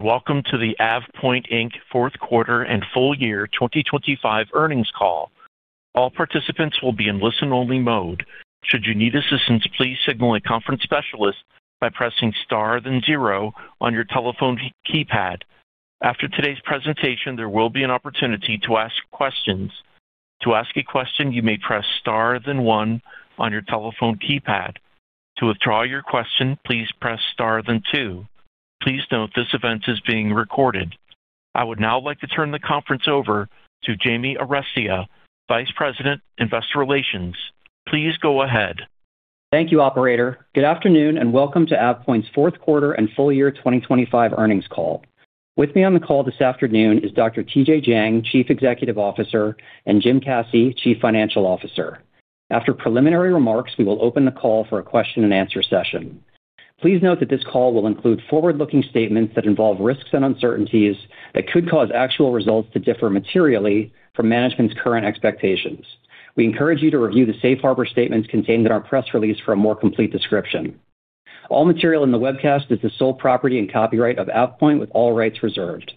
Welcome to the AvePoint, Inc. Fourth Quarter and Full Year 2025 Earnings Call. All participants will be in listen-only mode. Should you need assistance, please signal a conference specialist by pressing star then zero on your telephone keypad. After today's presentation, there will be an opportunity to ask questions. To ask a question, you may press star then one on your telephone keypad. To withdraw your question, please press star than two. Please note this event is being recorded. I would now like to turn the conference over to Jamie Arestia, Vice President, Investor Relations. Please go ahead. Thank you, Operator. Good afternoon. Welcome to AvePoint's Fourth Quarter and Full Year 2025 Earnings Call. With me on the call this afternoon is Dr. TJ Jiang, Chief Executive Officer, and Jim Caci, Chief Financial Officer. After preliminary remarks, we will open the call for a question-and-answer session. Please note that this call will include forward-looking statements that involve risks and uncertainties that could cause actual results to differ materially from management's current expectations. We encourage you to review the safe harbor statements contained in our press release for a more complete description. All material in the webcast is the sole property and copyright of AvePoint, with all rights reserved.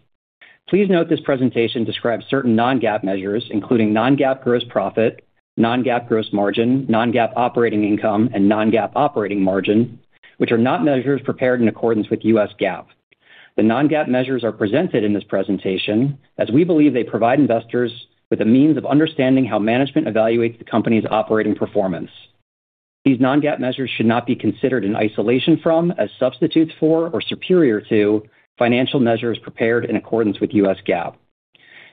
Please note this presentation describes certain non-GAAP measures, including non-GAAP gross profit, non-GAAP gross margin, non-GAAP operating income, and non-GAAP operating margin, which are not measures prepared in accordance with U.S. GAAP. The non-GAAP measures are presented in this presentation as we believe they provide investors with a means of understanding how management evaluates the company's operating performance. These non-GAAP measures should not be considered in isolation from, as substitutes for, or superior to financial measures prepared in accordance with U.S. GAAP.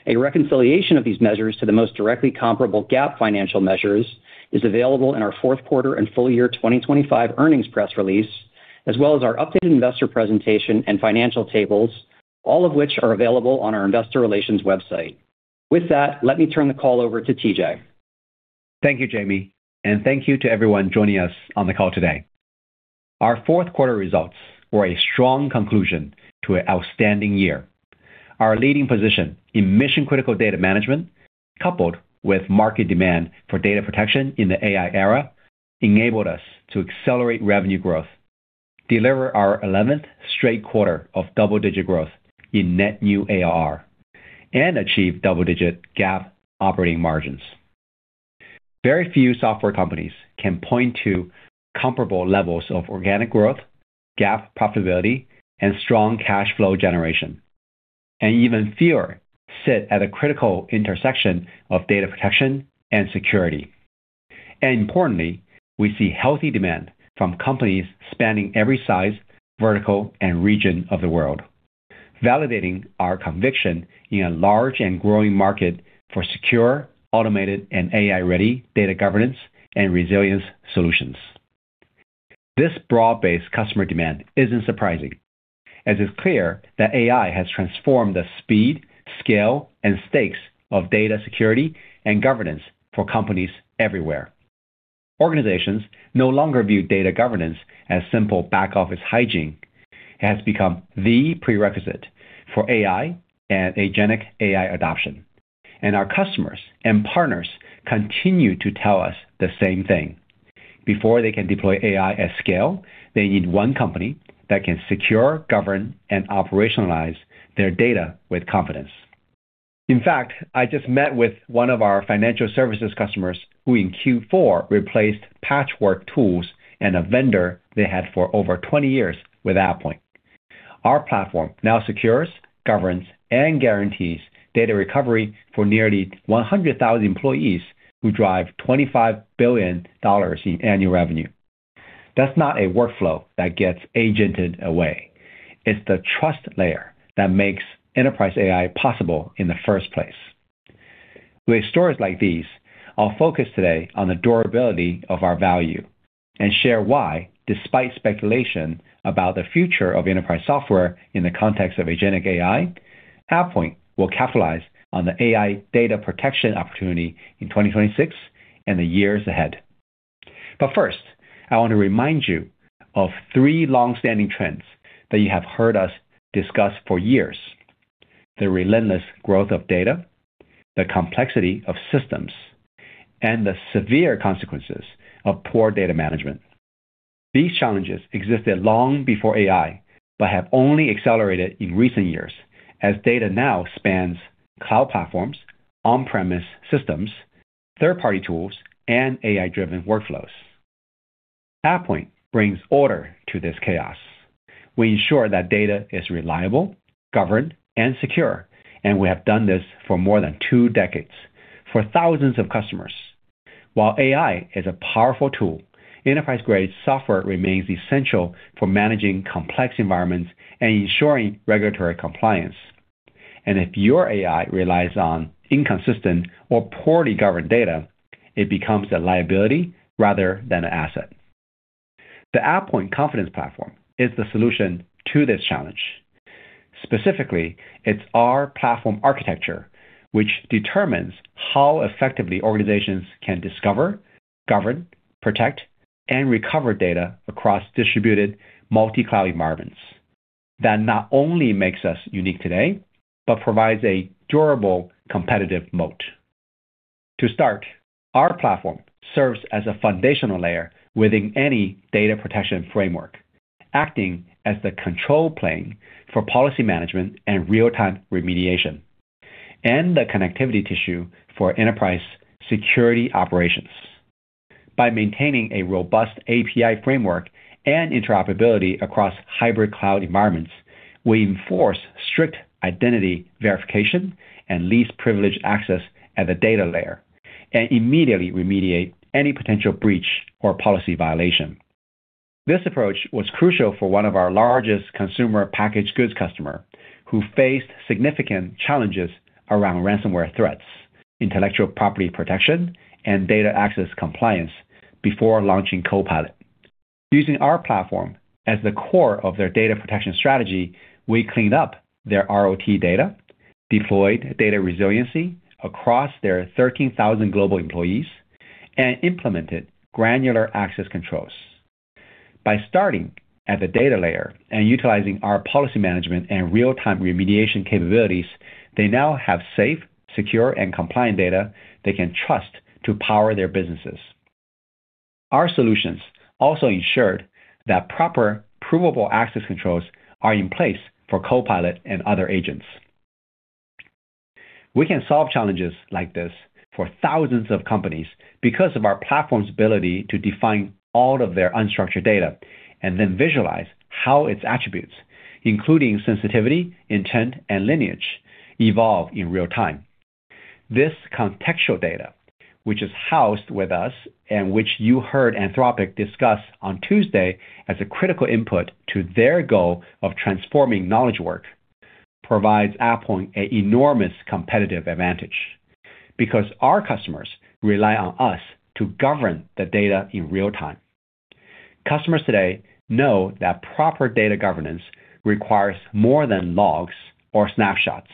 A reconciliation of these measures to the most directly comparable GAAP financial measures is available in our fourth quarter and full year 2025 earnings press release, as well as our updated investor presentation and financial tables, all of which are available on our investor relations website. With that, let me turn the call over to TJ. Thank you, Jamie, and thank you to everyone joining us on the call today. Our fourth quarter results were a strong conclusion to an outstanding year. Our leading position in mission-critical data management, coupled with market demand for data protection in the AI era, enabled us to accelerate revenue growth, deliver our 11th straight quarter of double-digit growth in net new ARR, and achieve double-digit GAAP operating margins. Very few software companies can point to comparable levels of organic growth, GAAP profitability, and strong cash flow generation, and even fewer sit at a critical intersection of data protection and security. Importantly, we see healthy demand from companies spanning every size, vertical, and region of the world, validating our conviction in a large and growing market for secure, automated, and AI-ready data governance and resilience solutions. This broad-based customer demand isn't surprising, as it's clear that AI has transformed the speed, scale, and stakes of data security and governance for companies everywhere. Organizations no longer view data governance as simple back-office hygiene. It has become the prerequisite for AI and agentic AI adoption. Our customers and partners continue to tell us the same thing. Before they can deploy AI at scale, they need one company that can secure, govern, and operationalize their data with confidence. In fact, I just met with one of our financial services customers who in Q4 replaced Patchwork Tools and a vendor they had for over 20 years with AvePoint. Our platform now secures, governs, and guarantees data recovery for nearly 100,000 employees who drive $25 billion in annual revenue. That's not a workflow that gets agented away. It's the trust layer that makes enterprise AI possible in the first place. With stories like these, I'll focus today on the durability of our value and share why, despite speculation about the future of enterprise software in the context of agentic AI, AvePoint will capitalize on the AI data protection opportunity in 2026 and the years ahead. First, I want to remind you of three long-standing trends that you have heard us discuss for years: the relentless growth of data, the complexity of systems, and the severe consequences of poor data management. These challenges existed long before AI but have only accelerated in recent years as data now spans cloud platforms, on-premise systems, third-party tools, and AI-driven workflows. AvePoint brings order to this chaos. We ensure that data is reliable, governed, and secure, and we have done this for more than two decades for thousands of customers. While AI is a powerful tool, enterprise-grade software remains essential for managing complex environments and ensuring regulatory compliance. If your AI relies on inconsistent or poorly governed data, it becomes a liability rather than an asset. The AvePoint Confidence Platform is the solution to this challenge. Specifically, it's our platform architecture which determines how effectively organizations can discover, govern, protect, and recover data across distributed multi-cloud environments. That not only makes us unique today but provides a durable competitive moat. To start, our platform serves as a foundational layer within any data protection framework, acting as the control plane for policy management and real-time remediation, and the connectivity tissue for enterprise security operations. By maintaining a robust API framework and interoperability across hybrid cloud environments, we enforce strict identity verification and least privileged access at the data layer and immediately remediate any potential breach or policy violation. This approach was crucial for one of our largest consumer packaged goods customer, who faced significant challenges around ransomware threats, intellectual property protection, and data access compliance before launching Copilot. Using our platform as the core of their data protection strategy, we cleaned up their ROT data, deployed data resiliency across their 13,000 global employees, and implemented granular access controls. By starting at the data layer and utilizing our policy management and real-time remediation capabilities, they now have safe, secure, and compliant data they can trust to power their businesses. Our solutions also ensured that proper provable access controls are in place for Copilot and other agents. We can solve challenges like this for thousands of companies because of our platform's ability to define all of their unstructured data and then visualize how its attributes, including sensitivity, intent, and lineage, evolve in real-time. This contextual data, which is housed with us and which you heard Anthropic discuss on Tuesday as a critical input to their goal of transforming knowledge work, provides AvePoint an enormous competitive advantage because our customers rely on us to govern the data in real time. Customers today know that proper data governance requires more than logs or snapshots.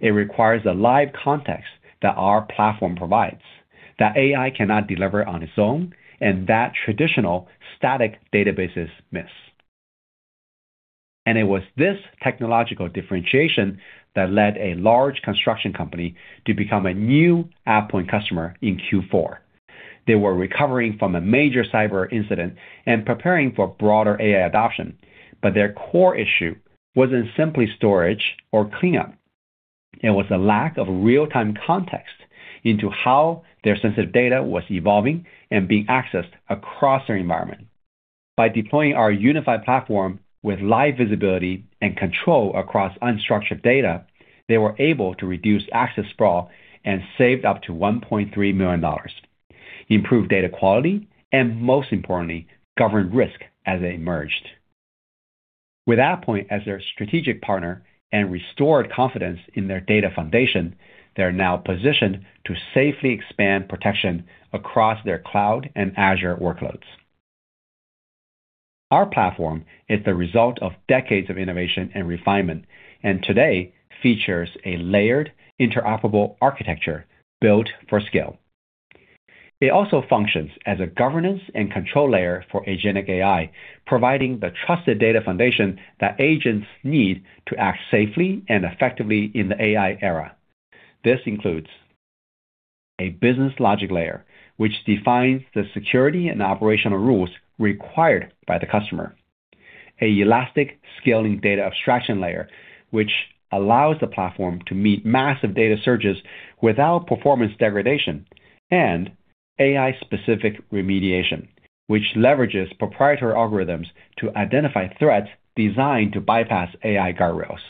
It requires a live context that our platform provides, that AI cannot deliver on its own, and that traditional static databases miss. It was this technological differentiation that led a large construction company to become a new AvePoint customer in Q4. They were recovering from a major cyber incident and preparing for broader AI adoption, but their core issue wasn't simply storage or cleanup. It was a lack of real-time context into how their sensitive data was evolving and being accessed across their environment. By deploying our unified platform with live visibility and control across unstructured data, they were able to reduce access sprawl and saved up to $1.3 million, improve data quality, and most importantly, govern risk as it emerged. With AvePoint as their strategic partner and restored confidence in their data foundation, they are now positioned to safely expand protection across their cloud and Azure workloads. Our platform is the result of decades of innovation and refinement, and today features a layered interoperable architecture built for scale. It also functions as a governance and control layer for agentic AI, providing the trusted data foundation that agents need to act safely and effectively in the AI era. This includes a business logic layer, which defines the security and operational rules required by the customer. A elastic scaling data abstraction layer, which allows the platform to meet massive data surges without performance degradation. AI-specific remediation, which leverages proprietary algorithms to identify threats designed to bypass AI guardrails.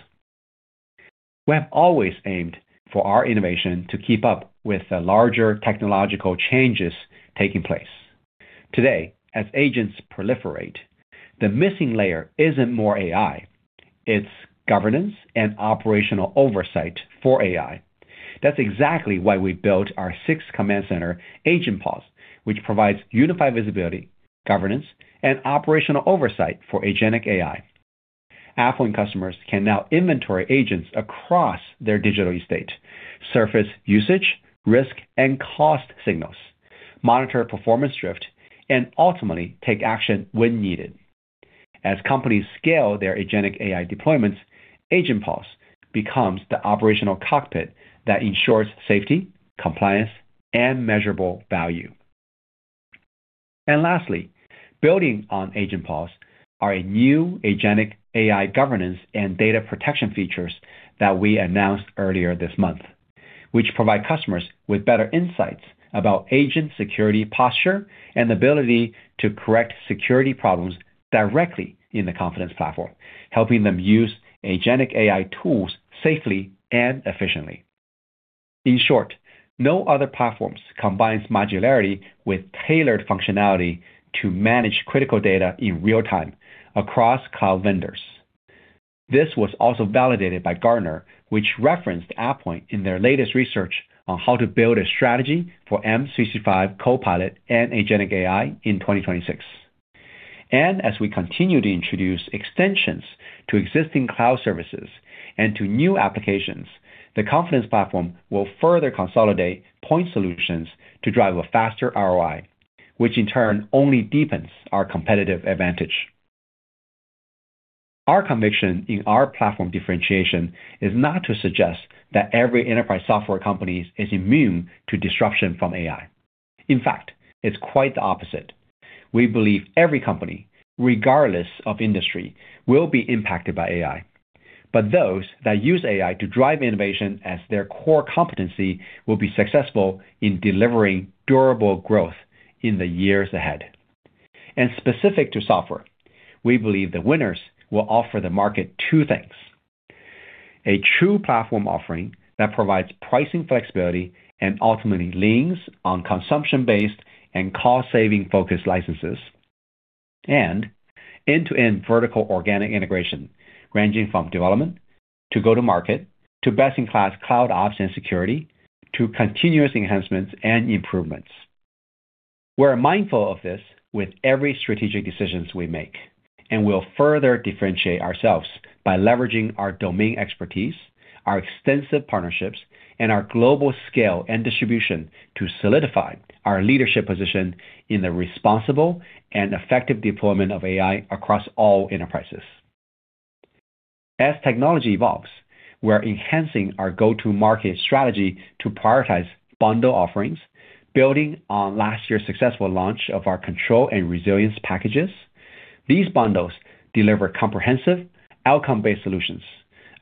We have always aimed for our innovation to keep up with the larger technological changes taking place. Today, as agents proliferate, the missing layer isn't more AI, it's governance and operational oversight for AI. That's exactly why we built our sixth command center, AgentPulse, which provides unified visibility, governance, and operational oversight for agentic AI. AvePoint customers can now inventory agents across their digital estate, surface usage, risk, and cost signals, monitor performance drift, and ultimately take action when needed. As companies scale their agentic AI deployments, AgentPulse becomes the operational cockpit that ensures safety, compliance, and measurable value. Lastly, building on AgentPulse are a new agentic AI governance and data protection features that we announced earlier this month, which provide customers with better insights about agent security posture and the ability to correct security problems directly in the Confidence Platform, helping them use agentic AI tools safely and efficiently. In short, no other platforms combines modularity with tailored functionality to manage critical data in real time across cloud vendors. This was also validated by Gartner, which referenced AvePoint in their latest research on how to build a strategy for M365 Copilot and agentic AI in 2026. As we continue to introduce extensions to existing cloud services and to new applications, the Confidence Platform will further consolidate point solutions to drive a faster ROI, which in turn only deepens our competitive advantage. Our conviction in our platform differentiation is not to suggest that every enterprise software company is immune to disruption from AI. In fact, it's quite the opposite. We believe every company, regardless of industry, will be impacted by AI. Those that use AI to drive innovation as their core competency will be successful in delivering durable growth in the years ahead. Specific to software, we believe the winners will offer the market two things: a true platform offering that provides pricing flexibility and ultimately leans on consumption-based and cost-saving focused licenses, and end-to-end vertical organic integration, ranging from development to go-to-market, to best-in-class cloud ops and security, to continuous enhancements and improvements. We're mindful of this with every strategic decisions we make, and we'll further differentiate ourselves by leveraging our domain expertise, our extensive partnerships, and our global scale and distribution to solidify our leadership position in the responsible and effective deployment of AI across all enterprises. As technology evolves, we're enhancing our go-to-market strategy to prioritize bundle offerings, building on last year's successful launch of our Control and Resilience packages. These bundles deliver comprehensive outcome-based solutions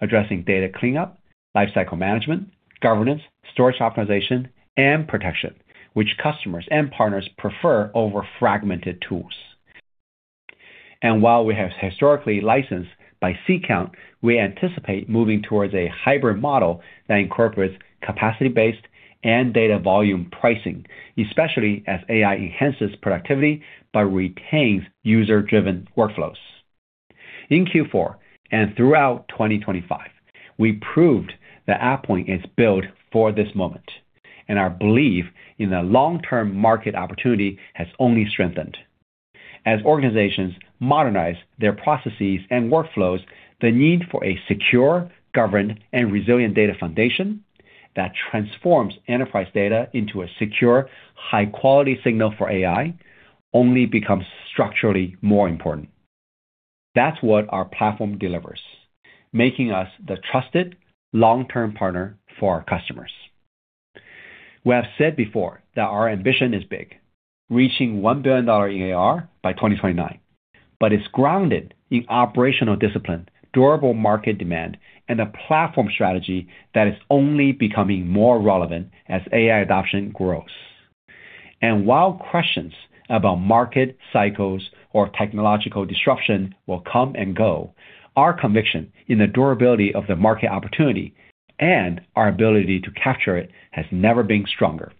addressing data cleanup, lifecycle management, governance, storage optimization, and protection, which customers and partners prefer over fragmented tools. While we have historically licensed by seat count, we anticipate moving towards a hybrid model that incorporates capacity-based and data volume pricing, especially as AI enhances productivity but retains user-driven workflows. In Q4, throughout 2025, we proved that AvePoint is built for this moment, our belief in the long-term market opportunity has only strengthened. As organizations modernize their processes and workflows, the need for a secure, governed, and resilient data foundation that transforms enterprise data into a secure, high-quality signal for AI only becomes structurally more important. That's what our platform delivers, making us the trusted long-term partner for our customers. We have said before that our ambition is big, reaching $1 billion ARR by 2029, it's grounded in operational discipline, durable market demand, and a platform strategy that is only becoming more relevant as AI adoption grows. While questions about market cycles or technological disruption will come and go, our conviction in the durability of the market opportunity and our ability to capture it has never been stronger.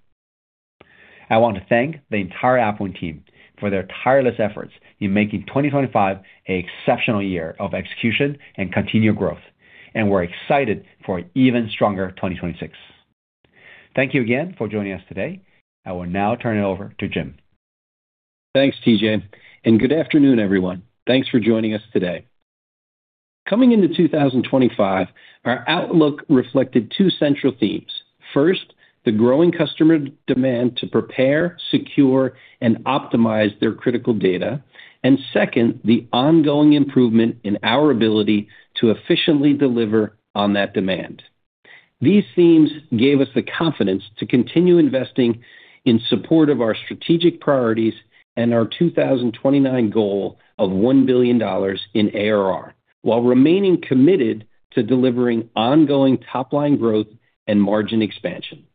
I want to thank the entire AvePoint team for their tireless efforts in making 2025 a exceptional year of execution and continued growth. We're excited for an even stronger 2026. Thank you again for joining us today. I will now turn it over to Jim. Thanks, TJ. Good afternoon, everyone. Thanks for joining us today. Coming into 2025, our outlook reflected two central themes. First, the growing customer demand to prepare, secure, and optimize their critical data. Second, the ongoing improvement in our ability to efficiently deliver on that demand. These themes gave us the confidence to continue investing in support of our strategic priorities and our 2029 goal of $1 billion in ARR, while remaining committed to delivering ongoing top-line growth and margin expansion.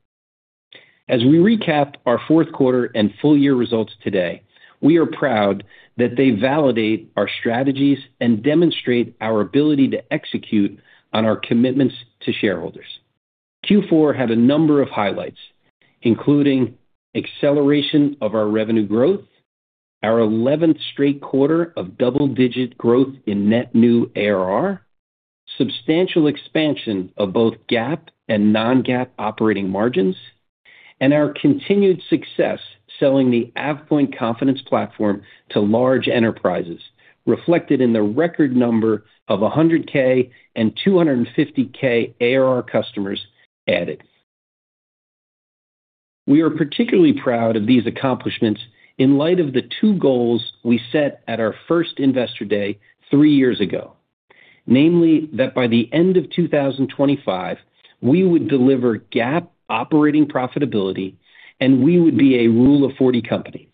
As we recap our fourth quarter and full year results today, we are proud that they validate our strategies and demonstrate our ability to execute on our commitments to shareholders. Q4 had a number of highlights, including acceleration of our revenue growth, our 11th straight quarter of double-digit growth in net new ARR, substantial expansion of both GAAP and non-GAAP operating margins, and our continued success selling the AvePoint Confidence Platform to large enterprises, reflected in the record number of $100K and $250K ARR customers added. We are particularly proud of these accomplishments in light of the two goals we set at our first Investor Day three years ago. Namely, that by the end of 2025, we would deliver GAAP operating profitability, and we would be a Rule of 40 company.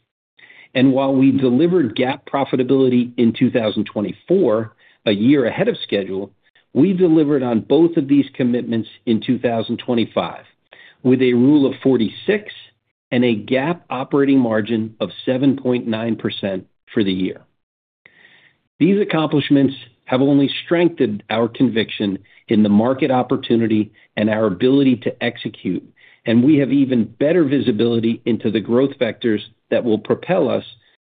While we delivered GAAP profitability in 2024, a year ahead of schedule, we delivered on both of these commitments in 2025, with a Rule of 46 and a GAAP operating margin of 7.9% for the year. These accomplishments have only strengthened our conviction in the market opportunity and our ability to execute, and we have even better visibility into the growth vectors that will propel us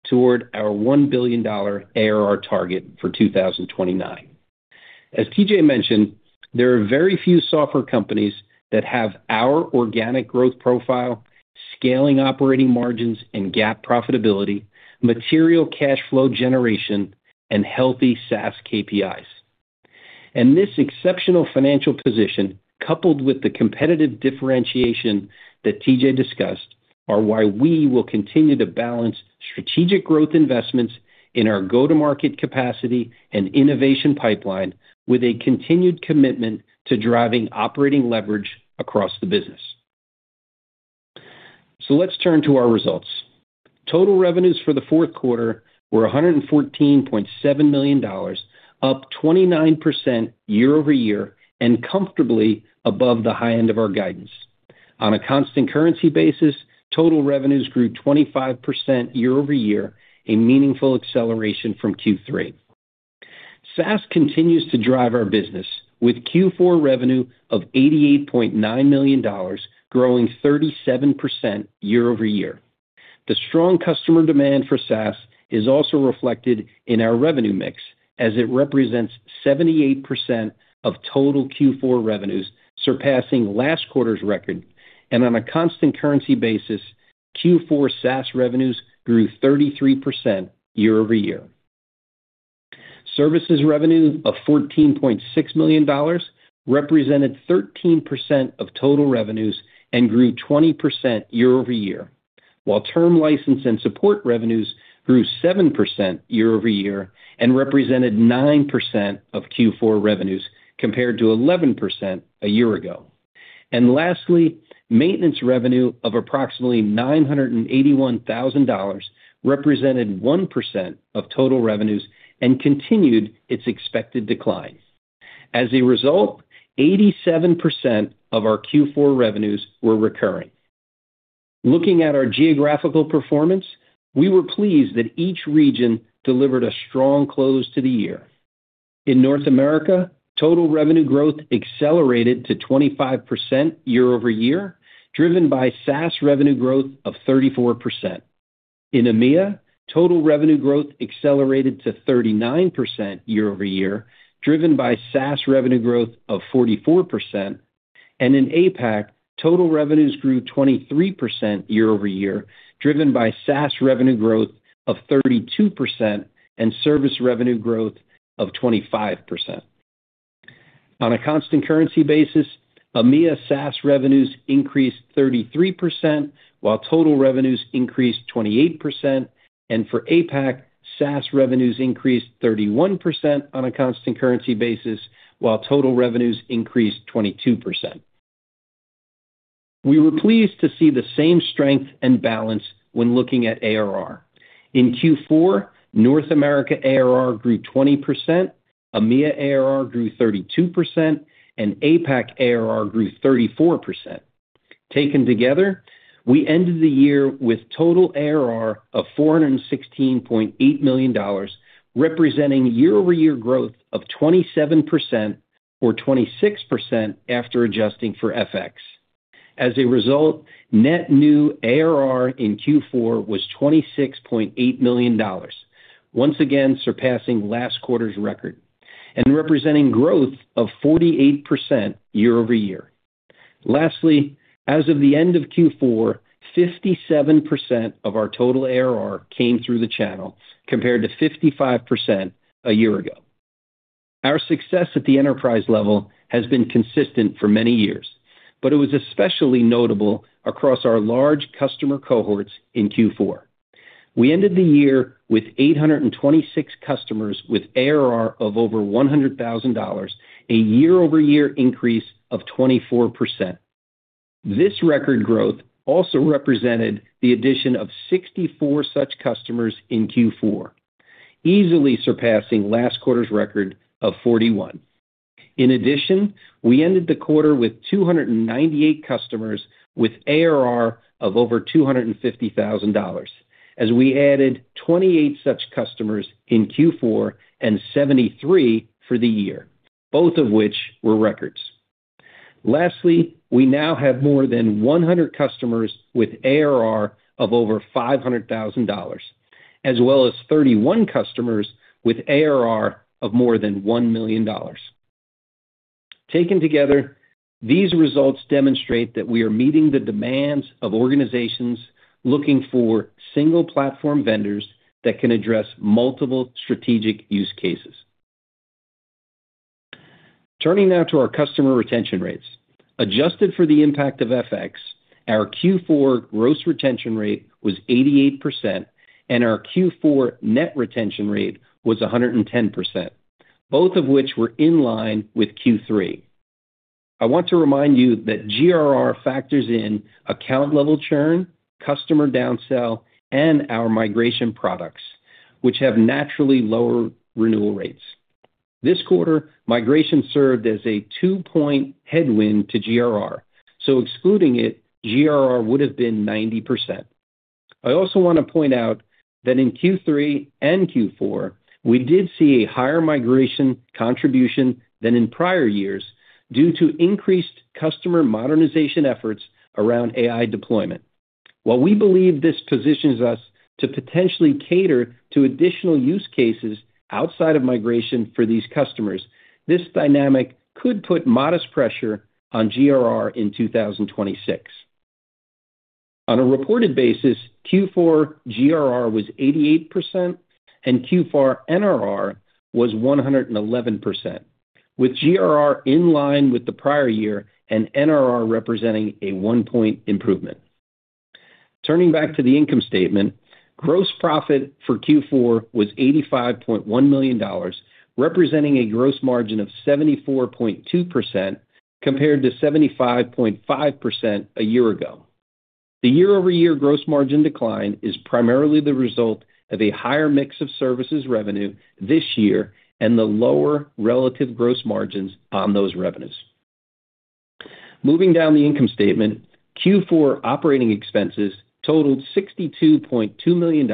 toward our $1 billion ARR target for 2029. As TJ mentioned, there are very few software companies that have our organic growth profile, scaling operating margins and GAAP profitability, material cash flow generation, and healthy SaaS KPIs. This exceptional financial position, coupled with the competitive differentiation that TJ discussed, are why we will continue to balance strategic growth investments in our go-to-market capacity and innovation pipeline with a continued commitment to driving operating leverage across the business. Let's turn to our results. Total revenues for the fourth quarter were $114.7 million, up 29% year-over-year and comfortably above the high end of our guidance. On a constant currency basis, total revenues grew 25% year-over-year, a meaningful acceleration from Q3. SaaS continues to drive our business with Q4 revenue of $88.9 million, growing 37% year-over-year. The strong customer demand for SaaS is also reflected in our revenue mix as it represents 78% of total Q4 revenues, surpassing last quarter's record. On a constant currency basis, Q4 SaaS revenues grew 33% year-over-year. Services revenue of $14.6 million represented 13% of total revenues and grew 20% year-over-year, while term license and support revenues grew 7% year-over-year and represented 9% of Q4 revenues, compared to 11% a year ago. Lastly, maintenance revenue of approximately $981,000 represented 1% of total revenues and continued its expected decline. As a result, 87% of our Q4 revenues were recurring. Looking at our geographical performance, we were pleased that each region delivered a strong close to the year. In North America, total revenue growth accelerated to 25% year-over-year, driven by SaaS revenue growth of 34%. In EMEA, total revenue growth accelerated to 39% year-over-year, driven by SaaS revenue growth of 44%. In APAC, total revenues grew 23% year-over-year, driven by SaaS revenue growth of 32% and service revenue growth of 25%. On a constant currency basis, EMEA SaaS revenues increased 33%, while total revenues increased 28%. For APAC, SaaS revenues increased 31% on a constant currency basis, while total revenues increased 22%. We were pleased to see the same strength and balance when looking at ARR. In Q4, North America ARR grew 20%, EMEA ARR grew 32%, and APAC ARR grew 34%. Taken together, we ended the year with total ARR of $416.8 million, representing year-over-year growth of 27% or 26% after adjusting for FX. Net new ARR in Q4 was $26.8 million, once again surpassing last quarter's record and representing growth of 48% year-over-year. As of the end of Q4, 57% of our total ARR came through the channel compared to 55% a year ago. Our success at the enterprise level has been consistent for many years, but it was especially notable across our large customer cohorts in Q4. We ended the year with 826 customers with ARR of over $100,000, a year-over-year increase of 24%. This record growth also represented the addition of 64 such customers in Q4, easily surpassing last quarter's record of 41. In addition, we ended the quarter with 298 customers with ARR of over $250,000 as we added 28 such customers in Q4 and 73 for the year, both of which were records. Lastly, we now have more than 100 customers with ARR of over $500,000 as well as 31 customers with ARR of more than $1 million. Taken together, these results demonstrate that we are meeting the demands of organizations looking for single platform vendors that can address multiple strategic use cases. Turning now to our customer retention rates. Adjusted for the impact of FX, our Q4 gross retention rate was 88%, and our Q4 net retention rate was 110%, both of which were in line with Q3. I want to remind you that GRR factors in account-level churn, customer down-sell, and our migration products, which have naturally lower renewal rates. This quarter, migration served as a two-point headwind to GRR. Excluding it, GRR would have been 90%. I also wanna point out that in Q3 and Q4, we did see a higher migration contribution than in prior years due to increased customer modernization efforts around AI deployment. While we believe this positions us to potentially cater to additional use cases outside of migration for these customers, this dynamic could put modest pressure on GRR in 2026. On a reported basis, Q4 GRR was 88% and Q4 NRR was 111%, with GRR in line with the prior year and NRR representing a one-point improvement. Turning back to the income statement, gross profit for Q4 was $85.1 million, representing a gross margin of 74.2% compared to 75.5% a year ago. The year-over-year gross margin decline is primarily the result of a higher mix of services revenue this year and the lower relative gross margins on those revenues. Moving down the income statement, Q4 operating expenses totaled $62.2 million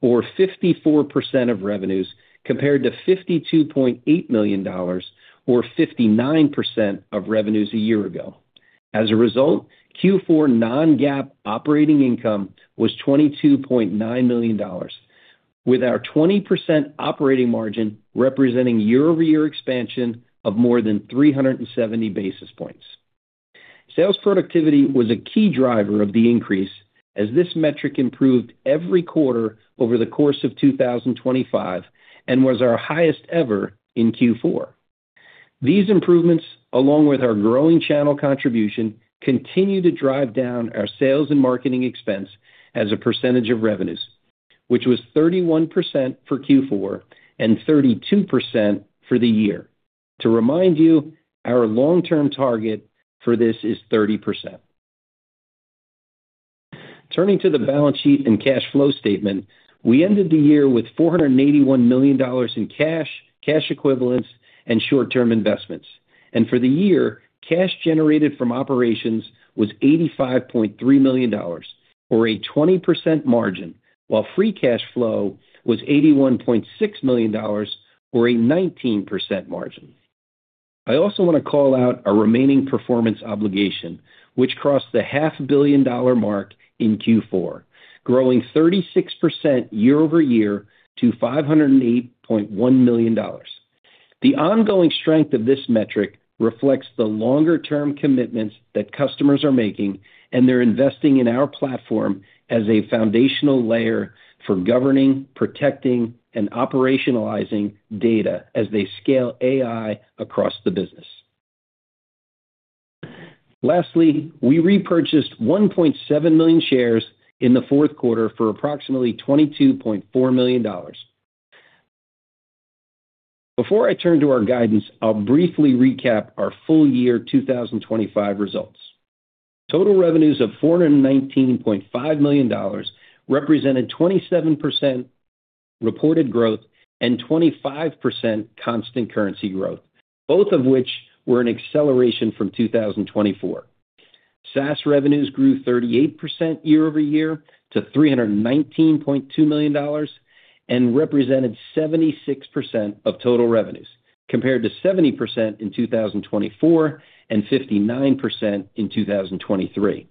or 54% of revenues, compared to $52.8 million or 59% of revenues a year ago. As a result, Q4 non-GAAP operating income was $22.9 million, with our 20% operating margin representing year-over-year expansion of more than 370 basis points. Sales productivity was a key driver of the increase as this metric improved every quarter over the course of 2025 and was our highest ever in Q4. These improvements, along with our growing channel contribution, continue to drive down our sales and marketing expense as a percentage of revenues, which was 31% for Q4 and 32% for the year. To remind you, our long-term target for this is 30%. Turning to the balance sheet and cash flow statement, we ended the year with $481 million in cash equivalents, and short-term investments. For the year, cash generated from operations was $85.3 million or a 20% margin, while free cash flow was $81.6 million or a 19% margin. I also want to call out our remaining performance obligation, which crossed the half billion dollar mark in Q4, growing 36% year-over-year to $508.1 million. The ongoing strength of this metric reflects the longer-term commitments that customers are making, and they're investing in our platform as a foundational layer for governing, protecting, and operationalizing data as they scale AI across the business. Lastly, we repurchased one point seven million shares in the fourth quarter for approximately $22.4 million. Before I turn to our guidance, I'll briefly recap our full year 2025 results. Total revenues of $419.5 million represented 27% reported growth and 25% constant currency growth, both of which were an acceleration from 2024. SaaS revenues grew 38% year-over-year to $319.2 million and represented 76% of total revenues, compared to 70% in 2024 and 59% in 2023.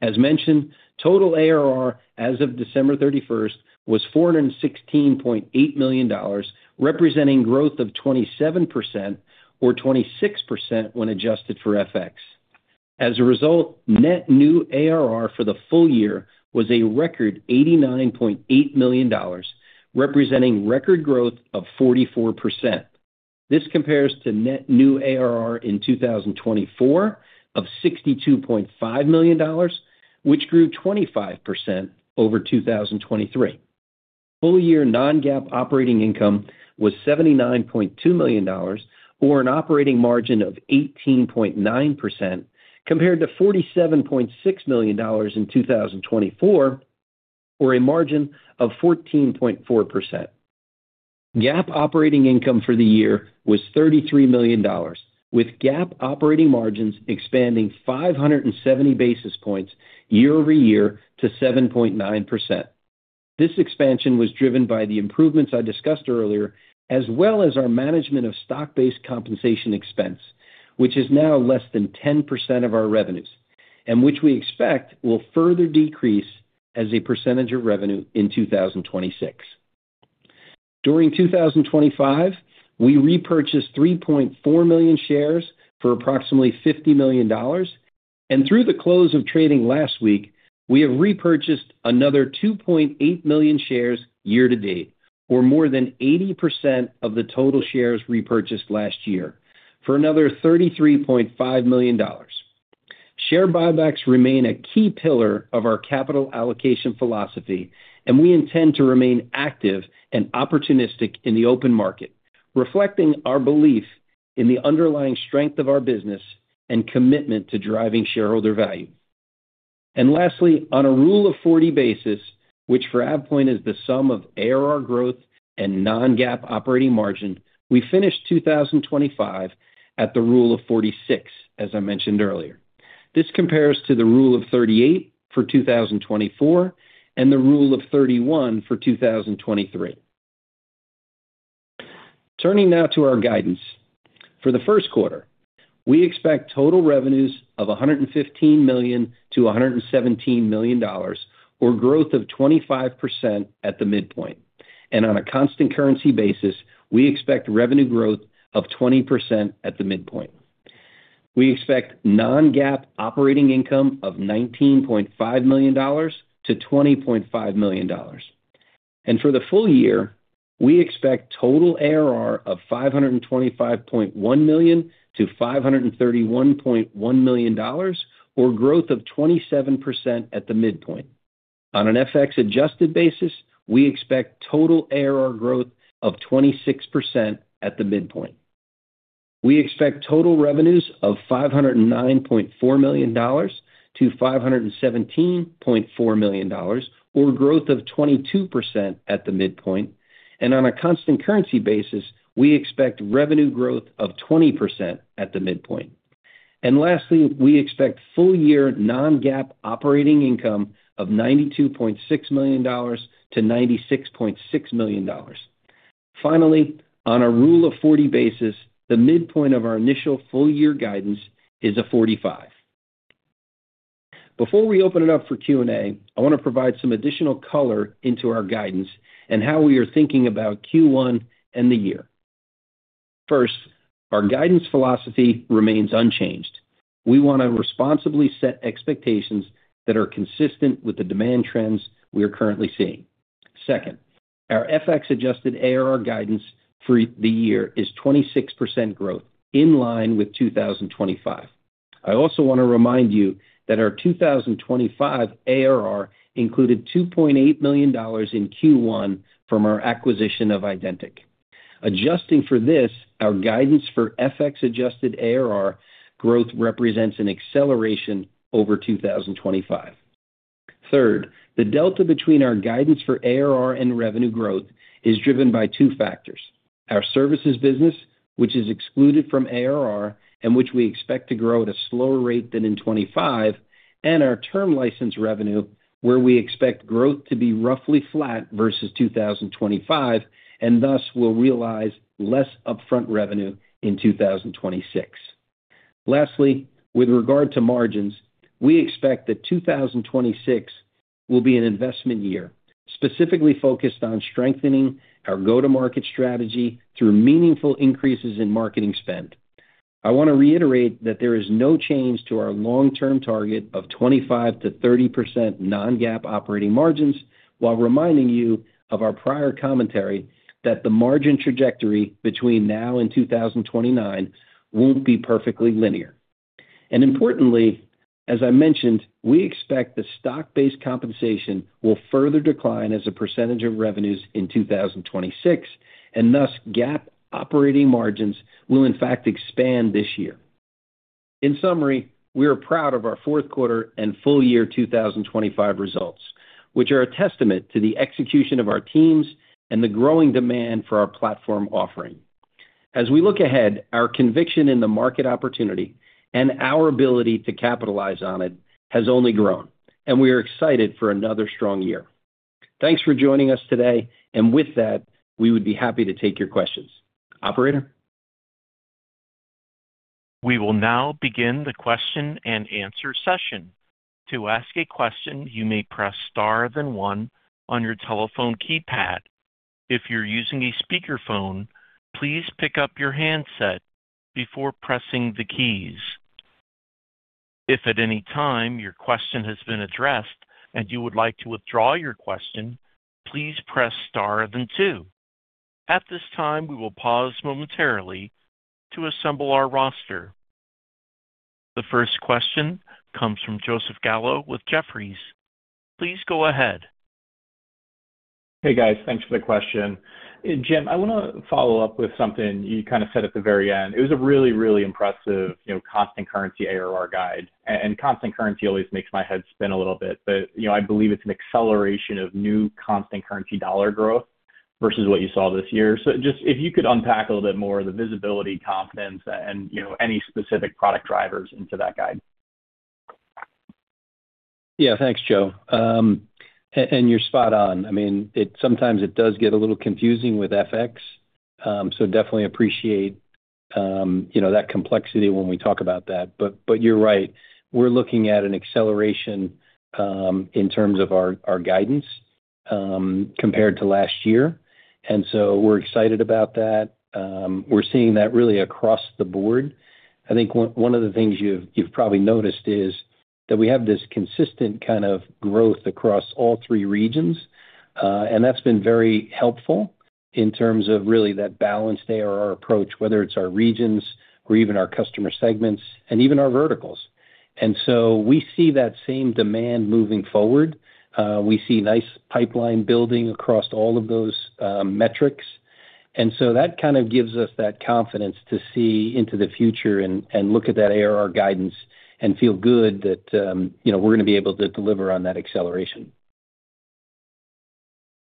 As mentioned, total ARR as of December 31st was $416.8 million, representing growth of 27% or 26% when adjusted for FX. As a result, net new ARR for the full year was a record $89.8 million, representing record growth of 44%. This compares to net new ARR in 2024 of $62.5 million, which grew 25% over 2023. Full year non-GAAP operating income was $79.2 million or an operating margin of 18.9% compared to $47.6 million in 2024 or a margin of 14.4%. GAAP operating income for the year was $33 million, with GAAP operating margins expanding 570 basis points year-over-year to 7.9%. This expansion was driven by the improvements I discussed earlier, as well as our management of stock-based compensation expense, which is now less than 10% of our revenues and which we expect will further decrease as a percentage of revenue in 2026. During 2025, we repurchased three point four million shares for approximately $50 million. Through the close of trading last week, we have repurchased another two point eight million shares year-to-date, or more than 80% of the total shares repurchased last year for another $33.5 million. Share buybacks remain a key pillar of our capital allocation philosophy, and we intend to remain active and opportunistic in the open market, reflecting our belief in the underlying strength of our business and commitment to driving shareholder value. Lastly, on a Rule of 40 basis, which for AvePoint is the sum of ARR growth and non-GAAP operating margin, we finished 2025 at the Rule of 46, as I mentioned earlier. This compares to the Rule of 38 for 2024 and the Rule of 31 for 2023. Turning now to our guidance. For the 1st quarter, we expect total revenues of $115 million-$117 million or growth of 25% at the midpoint. On a constant currency basis, we expect revenue growth of 20% at the midpoint. We expect non-GAAP operating income of $19.5 million-$20.5 million. For the full year, we expect total ARR of $525.1 million-$531.1 million or growth of 27% at the midpoint. On an FX adjusted basis, we expect total ARR growth of 26% at the midpoint. We expect total revenues of $509.4 million-$517.4 million, or growth of 22% at the midpoint. On a constant currency basis, we expect revenue growth of 20% at the midpoint. Lastly, we expect full year non-GAAP operating income of $92.6 million-$96.6 million. Finally, on a Rule of 40 basis, the midpoint of our initial full year guidance is a 45. Before we open it up for Q&A, I want to provide some additional color into our guidance and how we are thinking about Q1 and the year. First, our guidance philosophy remains unchanged. We want to responsibly set expectations that are consistent with the demand trends we are currently seeing. Second, our FX adjusted ARR guidance for the year is 26% growth, in line with 2025. I also want to remind you that our 2025 ARR included $2.8 million in Q1 from our acquisition of Ydentic. Adjusting for this, our guidance for FX adjusted ARR growth represents an acceleration over 2025. Third, the delta between our guidance for ARR and revenue growth is driven by two factors: our services business, which is excluded from ARR and which we expect to grow at a slower rate than in 2025, and our term license revenue, where we expect growth to be roughly flat versus 2025, and thus will realize less upfront revenue in 2026. Lastly, with regard to margins, we expect that 2026 will be an investment year, specifically focused on strengthening our go-to-market strategy through meaningful increases in marketing spend. I want to reiterate that there is no change to our long-term target of 25%-30% non-GAAP operating margins, while reminding you of our prior commentary that the margin trajectory between now and 2029 won't be perfectly linear. Importantly, as I mentioned, we expect the stock-based compensation will further decline as a percentage of revenues in 2026, and thus GAAP operating margins will in fact expand this year. In summary, we are proud of our fourth quarter and full year 2025 results, which are a testament to the execution of our teams and the growing demand for our platform offering. As we look ahead, our conviction in the market opportunity and our ability to capitalize on it has only grown, and we are excited for another strong year. Thanks for joining us today. With that, we would be happy to take your questions. Operator? We will now begin the question-and-answer session. To ask a question, you may press Star then One on your telephone keypad. If you're using a speakerphone, please pick up your handset before pressing the keys. If at any time your question has been addressed and you would like to withdraw your question, please press Star then Two. At this time, we will pause momentarily to assemble our roster. The first question comes from Joseph Gallo with Jefferies. Please go ahead. Hey, guys. Thanks for the question. Jim, I wanna follow up with something you kind of said at the very end. It was a really, really impressive, you know, constant currency ARR guide, and constant currency always makes my head spin a little bit. you know, I believe it's an acceleration of new constant currency dollar growth versus what you saw this year. just if you could unpack a little bit more of the visibility, confidence and, you know, any specific product drivers into that guide. Thanks, Joe. You're spot on. I mean, sometimes it does get a little confusing with FX, so definitely appreciate, you know, that complexity when we talk about that. You're right. We're looking at an acceleration in terms of our guidance compared to last year, we're excited about that. We're seeing that really across the board. I think one of the things you've probably noticed is that we have this consistent kind of growth across all three regions, and that's been very helpful in terms of really that balanced ARR approach, whether it's our regions or even our customer segments and even our verticals. We see that same demand moving forward. We see nice pipeline building across all of those metrics. That kind of gives us that confidence to see into the future and look at that ARR guidance and feel good that, you know, we're gonna be able to deliver on that acceleration.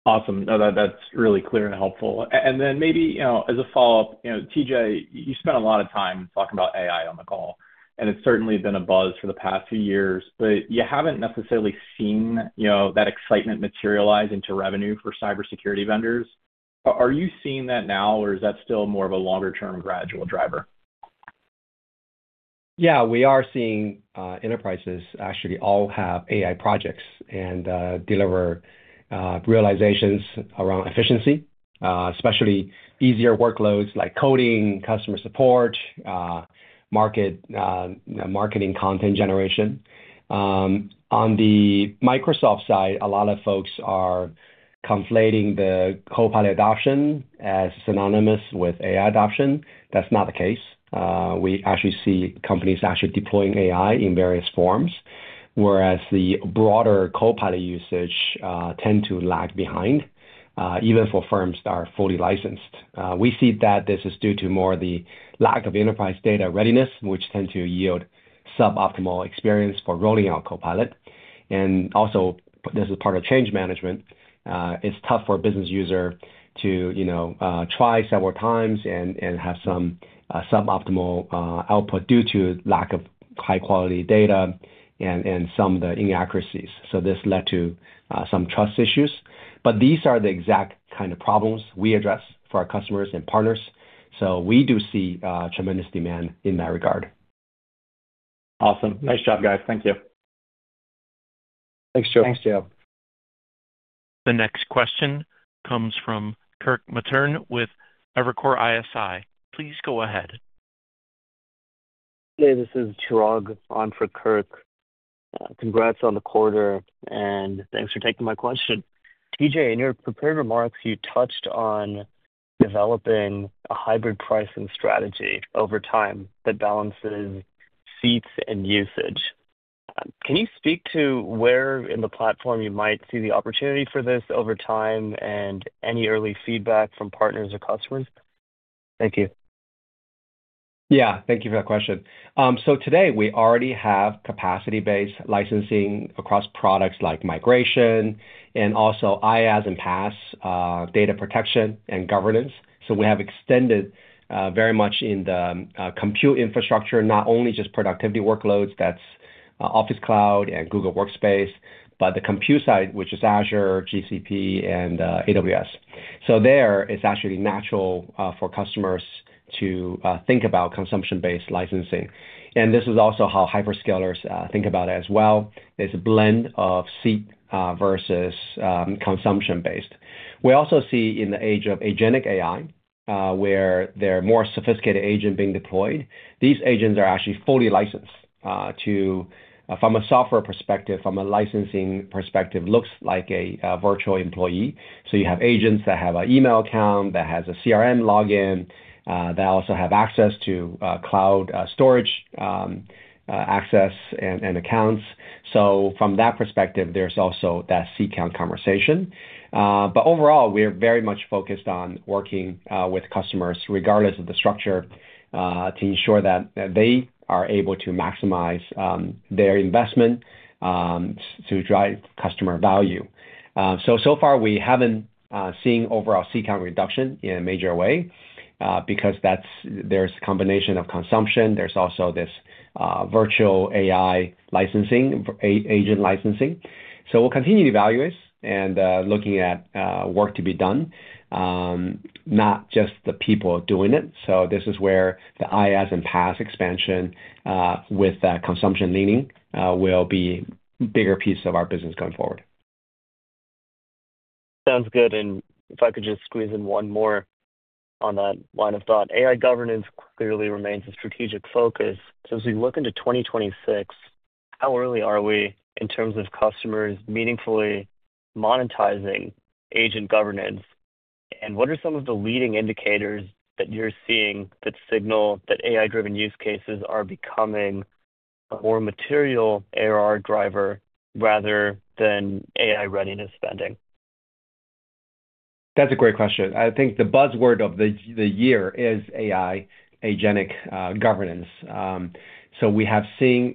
Awesome. No, that's really clear and helpful. Maybe, you know, as a follow-up, you know, TJ, you spent a lot of time talking about AI on the call, and it's certainly been a buzz for the past few years, but you haven't necessarily seen, you know, that excitement materialize into revenue for cybersecurity vendors. Are you seeing that now, or is that still more of a longer-term gradual driver? Yeah, we are seeing enterprises actually all have AI projects and deliver realizations around efficiency, especially easier workloads like coding, customer support, marketing content generation. On the Microsoft side, a lot of folks are conflating the Copilot adoption as synonymous with AI adoption. That's not the case. We actually see companies actually deploying AI in various forms, whereas the broader Copilot usage tend to lag behind even for firms that are fully licensed. We see that this is due to more the lack of enterprise data readiness, which tend to yield suboptimal experience for rolling out Copilot. Also this is part of change management. It's tough for a business user to, you know, try several times and have some suboptimal output due to lack of high-quality data and some of the inaccuracies. This led to some trust issues. These are the exact kind of problems we address for our customers and partners. We do see tremendous demand in that regard. Awesome. Nice job, guys. Thank you. Thanks, Joe. Thanks, Joe. The next question comes from Kirk Materne with Evercore ISI. Please go ahead. Hey, this is Chirag on for Kirk. Congrats on the quarter, and thanks for taking my question. TJ, in your prepared remarks, you touched on developing a hybrid pricing strategy over time that balances seats and usage. Can you speak to where in the platform you might see the opportunity for this over time and any early feedback from partners or customers? Thank you. Thank you for that question. Today we already have capacity-based licensing across products like migration and also IaaS and PaaS data protection and governance. We have extended very much in the compute infrastructure, not only just productivity workloads, that's Microsoft 365 and Google Workspace, but the compute side, which is Azure, GCP, and AWS. There it's actually natural for customers to think about consumption-based licensing. This is also how hyperscalers think about it as well. There's a blend of seat versus consumption-based. We also see in the age of agentic AI where there are more sophisticated agent being deployed. These agents are actually fully licensed from a software perspective, from a licensing perspective, looks like a virtual employee. You have agents that have an email account, that has a CRM login, that also have access to cloud storage access and accounts. From that perspective, there's also that seat count conversation. But overall, we are very much focused on working with customers regardless of the structure to ensure that they are able to maximize their investment to drive customer value. So far we haven't seen overall seat count reduction in a major way because there's a combination of consumption. There's also this virtual AI licensing, agent licensing. We'll continue to evaluate and looking at work to be done, not just the people doing it. This is where the IaaS and PaaS expansion, with that consumption leaning, will be a bigger piece of our business going forward. Sounds good. If I could just squeeze in one more on that line of thought. AI governance clearly remains a strategic focus. As we look into 2026, how early are we in terms of customers meaningfully monetizing agent governance? What are some of the leading indicators that you're seeing that signal that AI-driven use cases are becoming a more material ARR driver rather than AI readiness spending? That's a great question. I think the buzzword of the year is AI agentic governance. We have seen,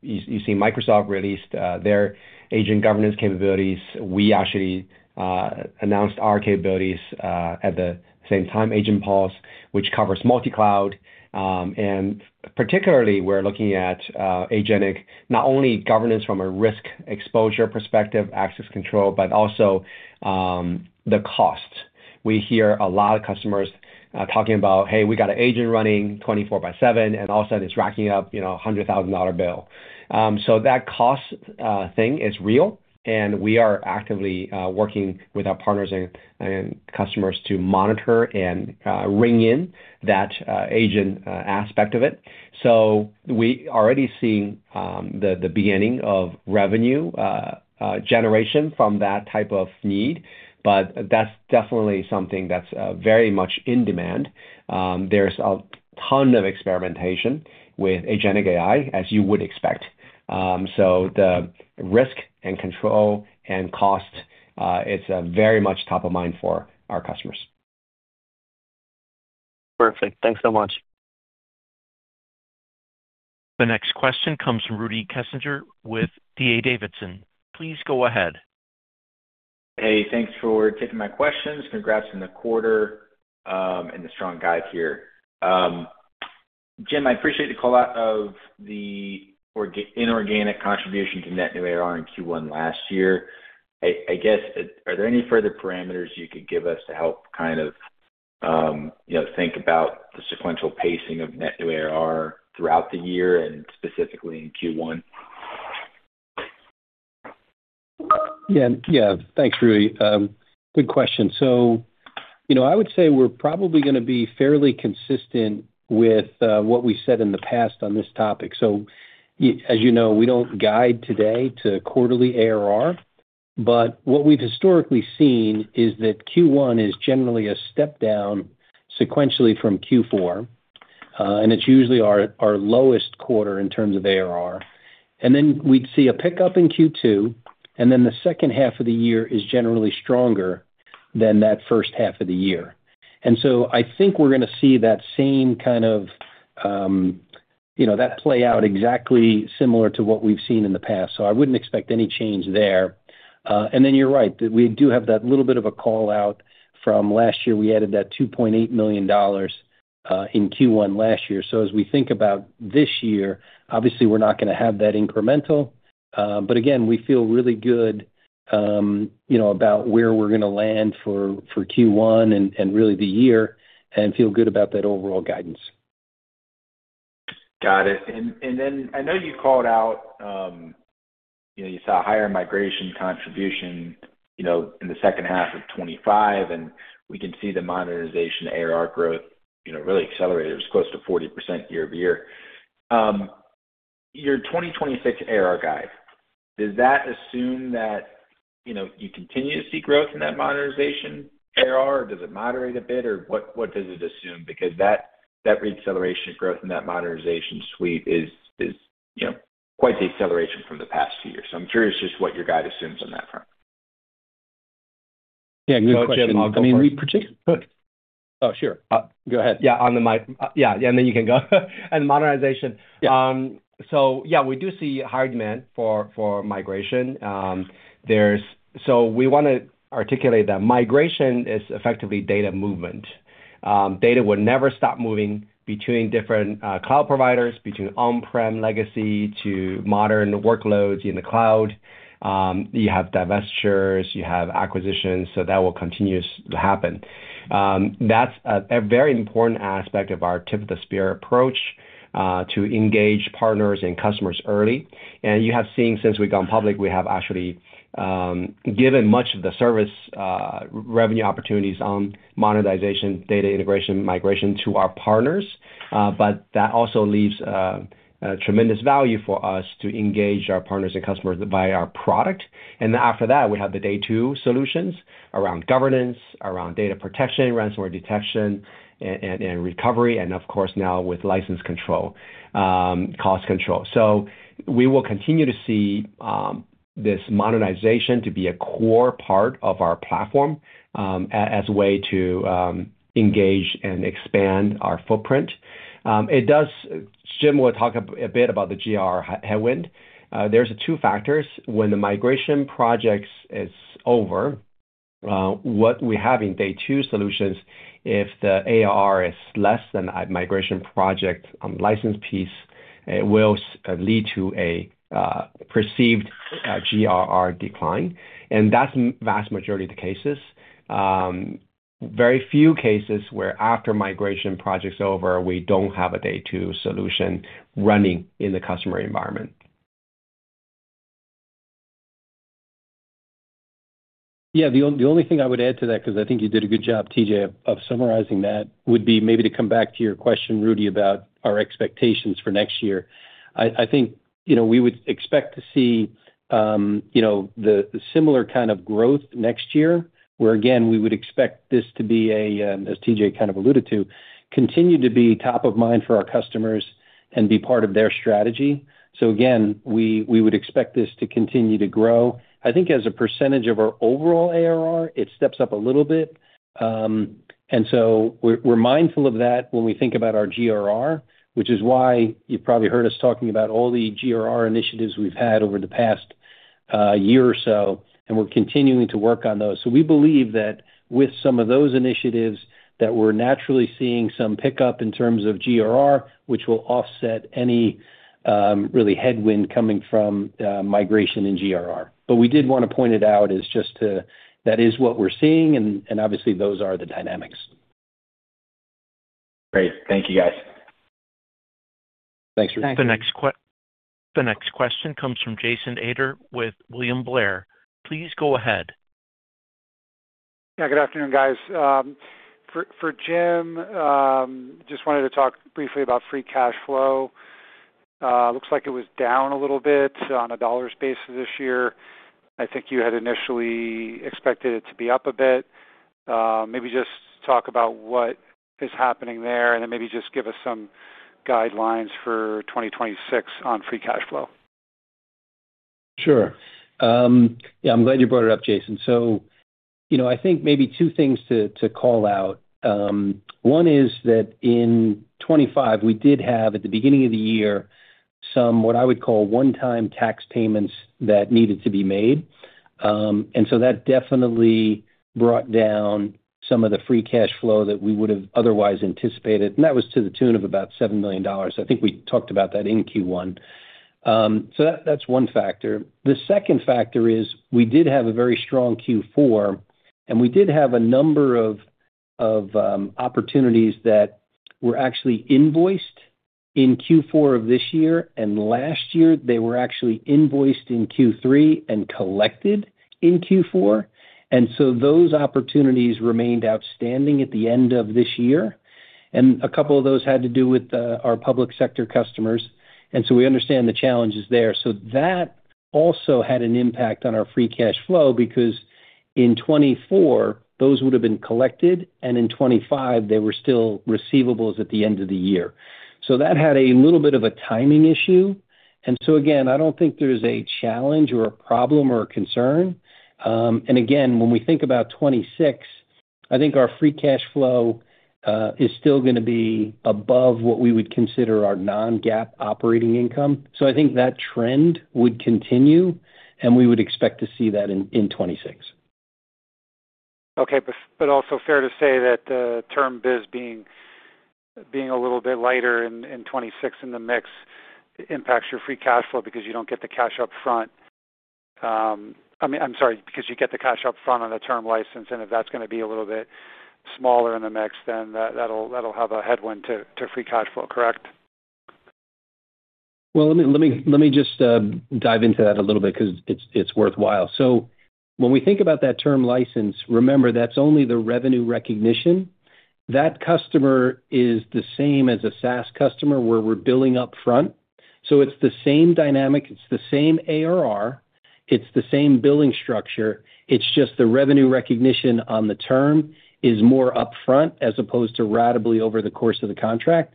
you see Microsoft released their agent governance capabilities. We actually announced our capabilities at the same time, AgentPulse, which covers multi-cloud. Particularly we're looking at agentic not only governance from a risk exposure perspective, access control, but also the cost. We hear a lot of customers talking about, "Hey, we got an agent running 24 by seven, and all of a sudden it's racking up, you know, a $100,000 bill." That cost thing is real, and we are actively working with our partners and customers to monitor and ring in that agent aspect of it. We already seeing the beginning of revenue generation from that type of need, but that's definitely something that's very much in demand. There's a ton of experimentation with agentic AI, as you would expect. The risk and control and cost, it's very much top of mind for our customers. Perfect. Thanks so much. The next question comes from Rudy Kessinger with D.A. Davidson. Please go ahead. Hey, thanks for taking my questions. Congrats on the quarter, and the strong guide here. Jim, I appreciate the call-out of the inorganic contribution to net new ARR in Q1 last year. I guess, are there any further parameters you could give us to help kind of, you know, think about the sequential pacing of net new ARR throughout the year and specifically in Q1. Yeah. Yeah. Thanks, Rudy. Good question. You know, I would say we're probably gonna be fairly consistent with what we said in the past on this topic. As you know, we don't guide today to quarterly ARR, but what we've historically seen is that Q1 is generally a step down sequentially from Q4, and it's usually our lowest quarter in terms of ARR. We'd see a pickup in Q2, and then the second half of the year is generally stronger than that first half of the year. I think we're gonna see that same kind of, you know, that play out exactly similar to what we've seen in the past. I wouldn't expect any change there. You're right, that we do have that little bit of a call-out from last year. We added that $2.8 million in Q1 last year. As we think about this year, obviously we're not gonna have that incremental. Again, we feel really good, you know, about where we're gonna land for Q1 and really the year, and feel good about that overall guidance. Got it. Then I know you called out, you know, you saw higher migration contribution, you know, in the second half of 2025, and we can see the Modernization ARR growth, you know, really accelerated. It was close to 40% year-over-year. Your 2026 ARR guide, does that assume that, you know, you continue to see growth in that Modernization ARR, or does it moderate a bit, or what does it assume? Because that re-acceleration growth in that Modernization Suite is, you know, quite the acceleration from the past two years. I'm curious just what your guide assumes on that front. Yeah, good question. Go ahead, Jim. I'll go first. I mean, Oh, sure. Go ahead. Yeah, on the mic. Yeah. Then you can go. On Modernization. Yeah. Yeah, we do see high demand for migration. We wanna articulate that migration is effectively data movement. Data will never stop moving between different cloud providers, between on-prem legacy to modern workloads in the cloud. You have divestitures, you have acquisitions, that will continue to happen. That's a very important aspect of our tip of the spear approach to engage partners and customers early. You have seen since we've gone public, we have actually given much of the service revenue opportunities on monetization, data integration, migration to our partners. That also leaves a tremendous value for us to engage our partners and customers to buy our product. After that, we have the day two solutions around governance, around data protection, ransomware detection, and recovery, and of course now with license control, cost control. We will continue to see this modernization to be a core part of our platform, as a way to engage and expand our footprint. Jim will talk a bit about the GRR headwind. There's two factors. When the migration projects is over, what we have in day two solutions, if the ARR is less than a migration project on the license piece, it will lead to a perceived GRR decline, and that's vast majority of the cases. Very few cases where after migration project's over, we don't have a day two solution running in the customer environment. Yeah. The only thing I would add to that, 'cause I think you did a good job, TJ, of summarizing that, would be maybe to come back to your question, Rudy, about our expectations for next year. I think, you know, we would expect to see, you know, the similar kind of growth next year, where again, we would expect this to be as TJ kind of alluded to, continue to be top of mind for our customers and be part of their strategy. Again, we would expect this to continue to grow. I think as a percentage of our overall ARR, it steps up a little bit. We're mindful of that when we think about our GRR, which is why you've probably heard us talking about all the GRR initiatives we've had over the past year or so, and we're continuing to work on those. We believe that with some of those initiatives that we're naturally seeing some pickup in terms of GRR, which will offset any really headwind coming from migration in GRR. We did wanna point it out as just that is what we're seeing and obviously those are the dynamics. Great. Thank you, guys. Thanks, Rudy. Thank you. The next question comes from Jason Ader with William Blair. Please go ahead. Yeah, good afternoon, guys. For Jim, just wanted to talk briefly about free cash flow. Looks like it was down a little bit on a dollars basis this year. I think you had initially expected it to be up a bit. Maybe just talk about what is happening there, and then maybe just give us some guidelines for 2026 on free cash flow. Sure. Yeah, I'm glad you brought it up, Jason. You know, I think maybe two things to call out. One is that in 2025, we did have, at the beginning of the year, some what I would call one-time tax payments that needed to be made. That definitely brought down some of the free cash flow that we would've otherwise anticipated, and that was to the tune of about $7 million. I think we talked about that in Q1. That's one factor. The second factor is we did have a very strong Q4, and we did have a number of opportunities that were actually invoiced in Q4 of this year, and last year they were actually invoiced in Q3 and collected in Q4. Those opportunities remained outstanding at the end of this year, and a couple of those had to do with our public sector customers. We understand the challenges there. That also had an impact on our free cash flow because in 2024 those would have been collected, and in 2025 they were still receivables at the end of the year. That had a little bit of a timing issue. Again, I don't think there's a challenge or a problem or a concern. Again, when we think about 2026, I think our free cash flow is still gonna be above what we would consider our non-GAAP operating income. I think that trend would continue, and we would expect to see that in 2026. also fair to say that the term biz being a little bit lighter in 2026 in the mix impacts your free cash flow because you don't get the cash up front. I mean, I'm sorry, because you get the cash up front on the term license, and if that's gonna be a little bit smaller in the mix, then that'll have a headwind to free cash flow, correct? Well, let me just dive into that a little bit 'cause it's worthwhile. When we think about that term license, remember that's only the revenue recognition. That customer is the same as a SaaS customer, where we're billing upfront. It's the same dynamic, it's the same ARR, it's the same billing structure. It's just the revenue recognition on the term is more upfront as opposed to ratably over the course of the contract.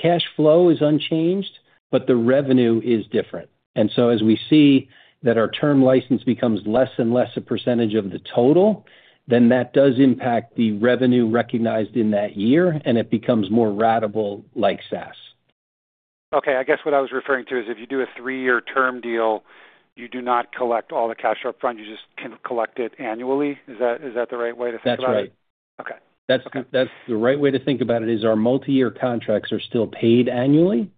Cash flow is unchanged, but the revenue is different. As we see that our term license becomes less and less a % of the total, then that does impact the revenue recognized in that year, and it becomes more ratable like SaaS. Okay. I guess what I was referring to is if you do a three-year term deal, you do not collect all the cash up front, you just kind of collect it annually. Is that the right way to think about it? That's right. Okay. Okay. That's the right way to think about it, is our multi-year contracts are still paid annually.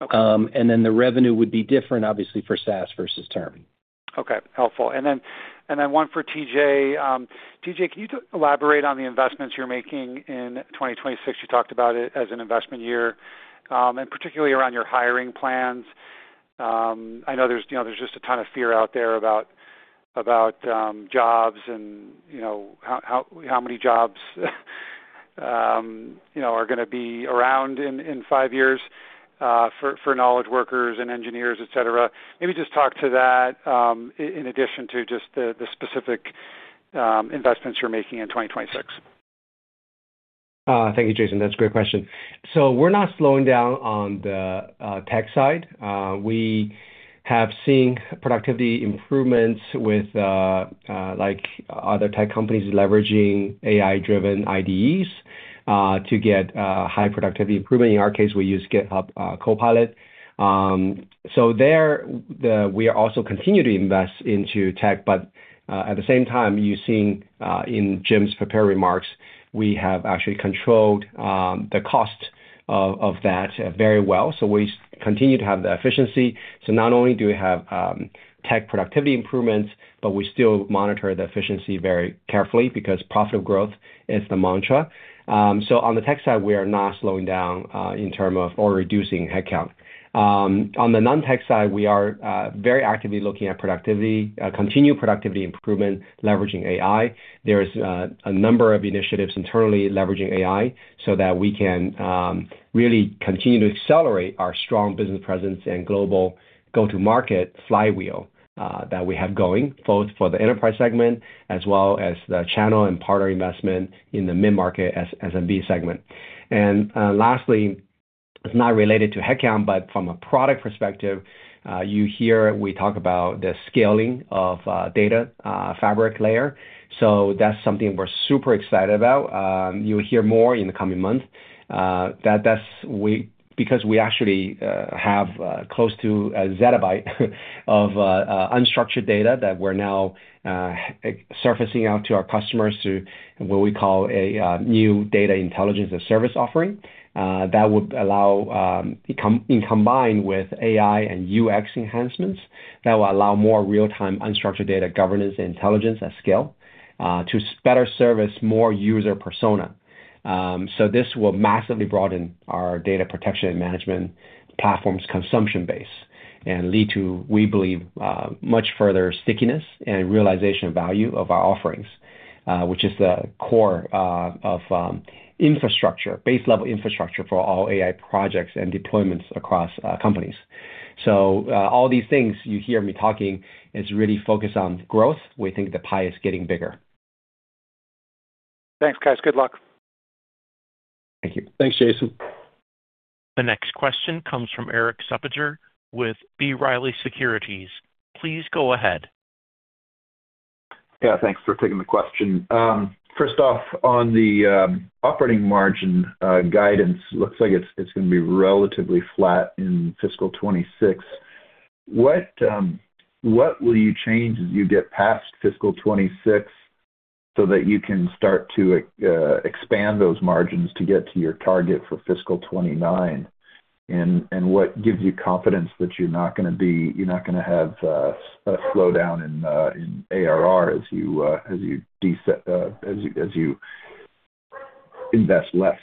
Okay. The revenue would be different obviously for SaaS versus term. Okay. Helpful. Then one for TJ. TJ, can you elaborate on the investments you're making in 2026? You talked about it as an investment year, particularly around your hiring plans. I know there's, you know, there's just a ton of fear out there about jobs and, you know, how many jobs, you know, are gonna be around in five years for knowledge workers and engineers, et cetera. Maybe just talk to that in addition to just the specific investments you're making in 2026. Thank you, Jason. That's a great question. We're not slowing down on the tech side. We have seen productivity improvements with like other tech companies leveraging AI-driven IDEs to get high productivity improvement. In our case, we use GitHub Copilot. There we also continue to invest into tech, but at the same time, you've seen in Jim's prepared remarks, we have actually controlled the cost of that very well. We continue to have the efficiency. Not only do we have tech productivity improvements, but we still monitor the efficiency very carefully because profitable growth is the mantra. On the tech side, we are not slowing down in term of or reducing headcount. On the non-tech side, we are very actively looking at productivity, continued productivity improvement, leveraging AI. There's a number of initiatives internally leveraging AI so that we can really continue to accelerate our strong business presence and global go-to-market flywheel that we have going, both for the enterprise segment as well as the channel and partner investment in the mid-market SMB segment. Lastly, it's not related to headcount, but from a product perspective, you hear we talk about the scaling of data fabric layer. That's something we're super excited about. You'll hear more in the coming months, because we actually have close to a zettabyte of unstructured data that we're now surfacing out to our customers through what we call a new data intelligence and service offering that would allow in combined with AI and UX enhancements that will allow more real-time unstructured data governance intelligence at scale to better service more user persona. This will massively broaden our data protection and management platforms consumption base and lead to, we believe, much further stickiness and realization of value of our offerings, which is the core of infrastructure, base level infrastructure for all AI projects and deployments across companies. All these things you hear me talking is really focused on growth. We think the pie is getting bigger. Thanks, guys. Good luck. Thank you. Thanks, Jason. The next question comes from Eric Suppiger with B. Riley Securities. Please go ahead. Yeah, thanks for taking the question. First off, on the operating margin guidance, looks like it's gonna be relatively flat in fiscal 2026. What, what will you change as you get past fiscal 2026, so that you can start to expand those margins to get to your target for fiscal 2029? What gives you confidence that you're not gonna have a slowdown in ARR as you as you invest less?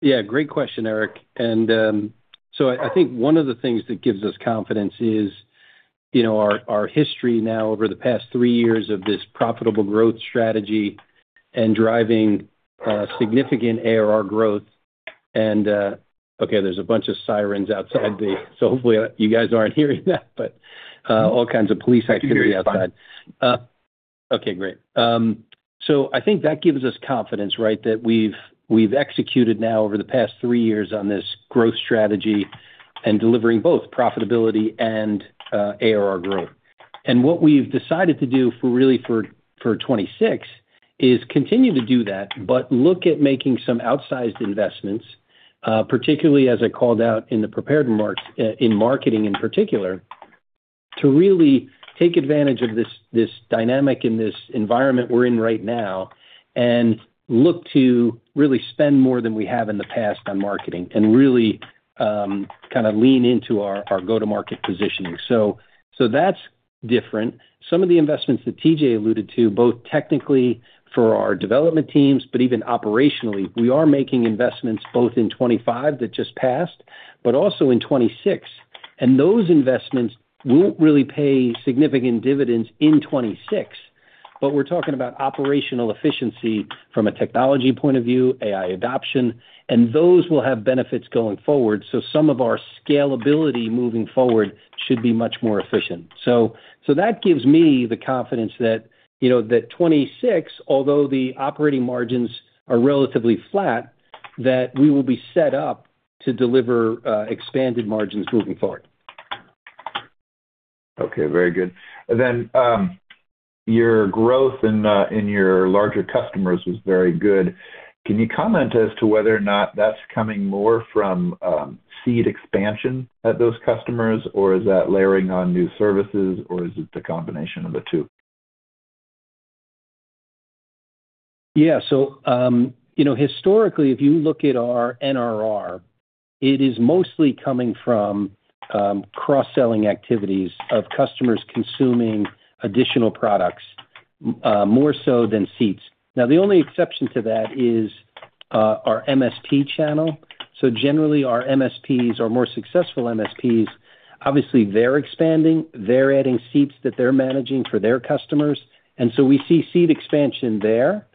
Yeah. Great question, Eric. I think one of the things that gives us confidence is, you know, our history now over the past three years of this profitable growth strategy and driving significant ARR growth. There's a bunch of sirens outside. Hopefully you guys aren't hearing that, all kinds of police activity outside. Great. I think that gives us confidence, right? That we've executed now over the past three years on this growth strategy and delivering both profitability and ARR growth. What we've decided to do for really, for 26 is continue to do that, but look at making some outsized investments, particularly as I called out in the prepared mark- in marketing in particular, to really take advantage of this dynamic in this environment we're in right now and look to really spend more than we have in the past on marketing and really, kind of lean into our go-to-market positioning. That's different. Some of the investments that TJ alluded to, both technically for our development teams, but even operationally, we are making investments both in 25 that just passed, but also in 26. Those investments won't really pay significant dividends in 26. We're talking about operational efficiency from a technology point of view, AI adoption, and those will have benefits going forward. Some of our scalability moving forward should be much more efficient. That gives me the confidence that, you know, that 26, although the operating margins are relatively flat, that we will be set up to deliver, expanded margins moving forward. Okay, very good. Your growth in your larger customers was very good. Can you comment as to whether or not that's coming more from seat expansion at those customers, or is that layering on new services, or is it the combination of the two? Yeah. You know, historically, if you look at our NRR, it is mostly coming from cross-selling activities of customers consuming additional products, more so than seats. The only exception to that is our MSP channel. Generally, our MSPs, our more successful MSPs, obviously they're expanding, they're adding seats that they're managing for their customers, we see seat expansion there.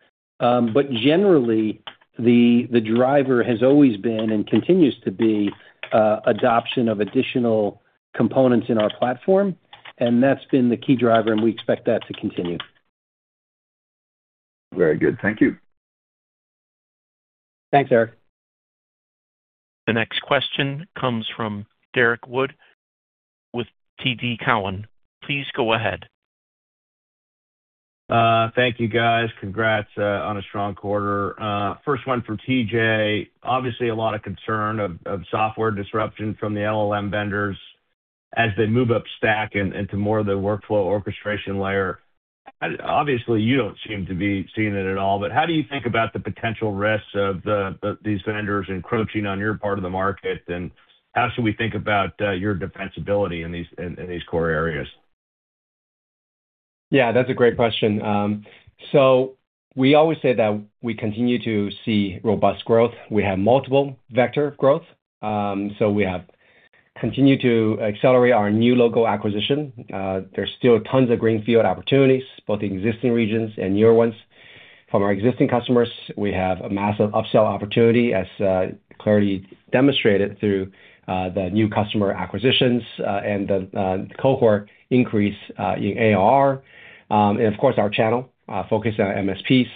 Generally, the driver has always been and continues to be adoption of additional components in our platform, that's been the key driver, and we expect that to continue. Very good. Thank you. Thanks, Eric. The next question comes from Derrick Wood with TD Cowen. Please go ahead. Thank you guys. Congrats on a strong quarter. First one for TJ. Obviously a lot of concern of software disruption from the LLM vendors as they move up stack and into more of the workflow orchestration layer. Obviously, you don't seem to be seeing it at all, but how do you think about the potential risks of these vendors encroaching on your part of the market? How should we think about your defensibility in these core areas? That's a great question. We always say that we continue to see robust growth. We have multiple vector growth. We have continued to accelerate our new logo acquisition. There's still tons of greenfield opportunities, both in existing regions and newer ones. From our existing customers, we have a massive upsell opportunity, as Clardy demonstrated through the new customer acquisitions and the cohort increase in ARR. Of course, our channel focus on MSPs,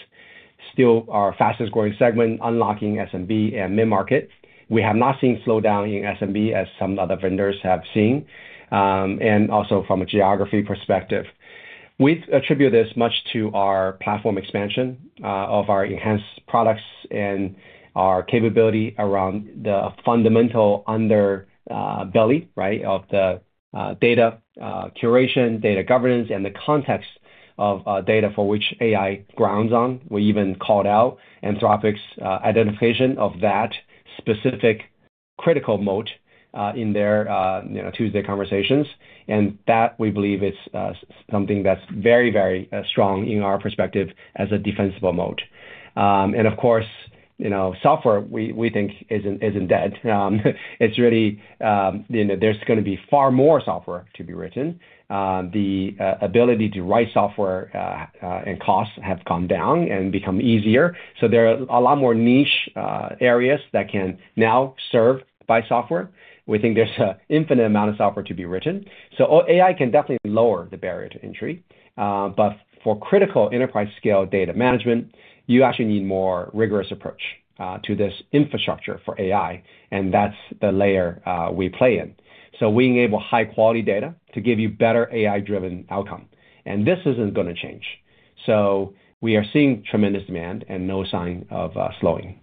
still our fastest-growing segment, unlocking SMB and mid-market. We have not seen slowdown in SMB as some other vendors have seen. Also from a geography perspective. We attribute this much to our platform expansion of our enhanced products and our capability around the fundamental under belly, right, of the data curation, data governance, and the context of data for which AI grounds on. We even called out Anthropic's identification of that specific critical moat in their, you know, Tuesday conversations. That, we believe, is something that's very, very strong in our perspective as a defensible moat. Of course, you know, software we think isn't dead. It's really, you know, there's gonna be far more software to be written. The ability to write software and costs have come down and become easier. There are a lot more niche areas that can now serve by software. We think there's an infinite amount of software to be written. AI can definitely lower the barrier to entry. For critical enterprise-scale data management, you actually need more rigorous approach to this infrastructure for AI, and that's the layer we play in. We enable high-quality data to give you better AI-driven outcome. This isn't gonna change. We are seeing tremendous demand and no sign of slowing.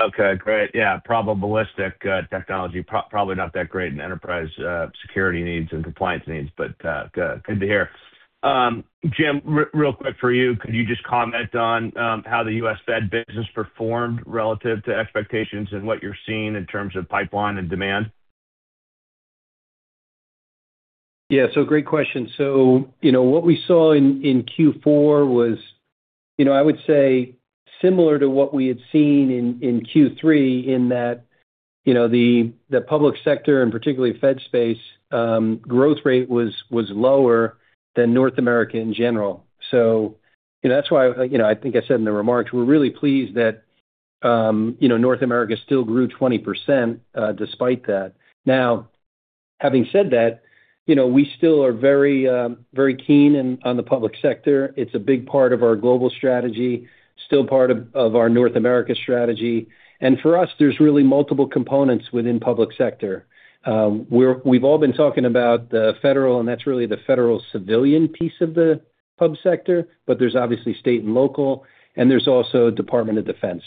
Okay, great. Yeah, probabilistic, technology probably not that great in enterprise security needs and compliance needs, but good to hear. Jim, real quick for you. Could you just comment on how the U.S. Fed business performed relative to expectations and what you're seeing in terms of pipeline and demand? Great question. You know, what we saw in Q4 was, you know, I would say similar to what we had seen in Q3 in that, you know, the public sector and particularly Fed space, growth rate was lower than North America in general. You know, that's why, you know, I think I said in the remarks, we're really pleased that, you know, North America still grew 20% despite that. Having said that, you know, we still are very, very keen on the public sector. It's a big part of our global strategy, still part of our North America strategy. For us, there's really multiple components within public sector. We've all been talking about the federal, and that's really the federal civilian piece of the public sector, but there's obviously state and local, and there's also Department of Defense.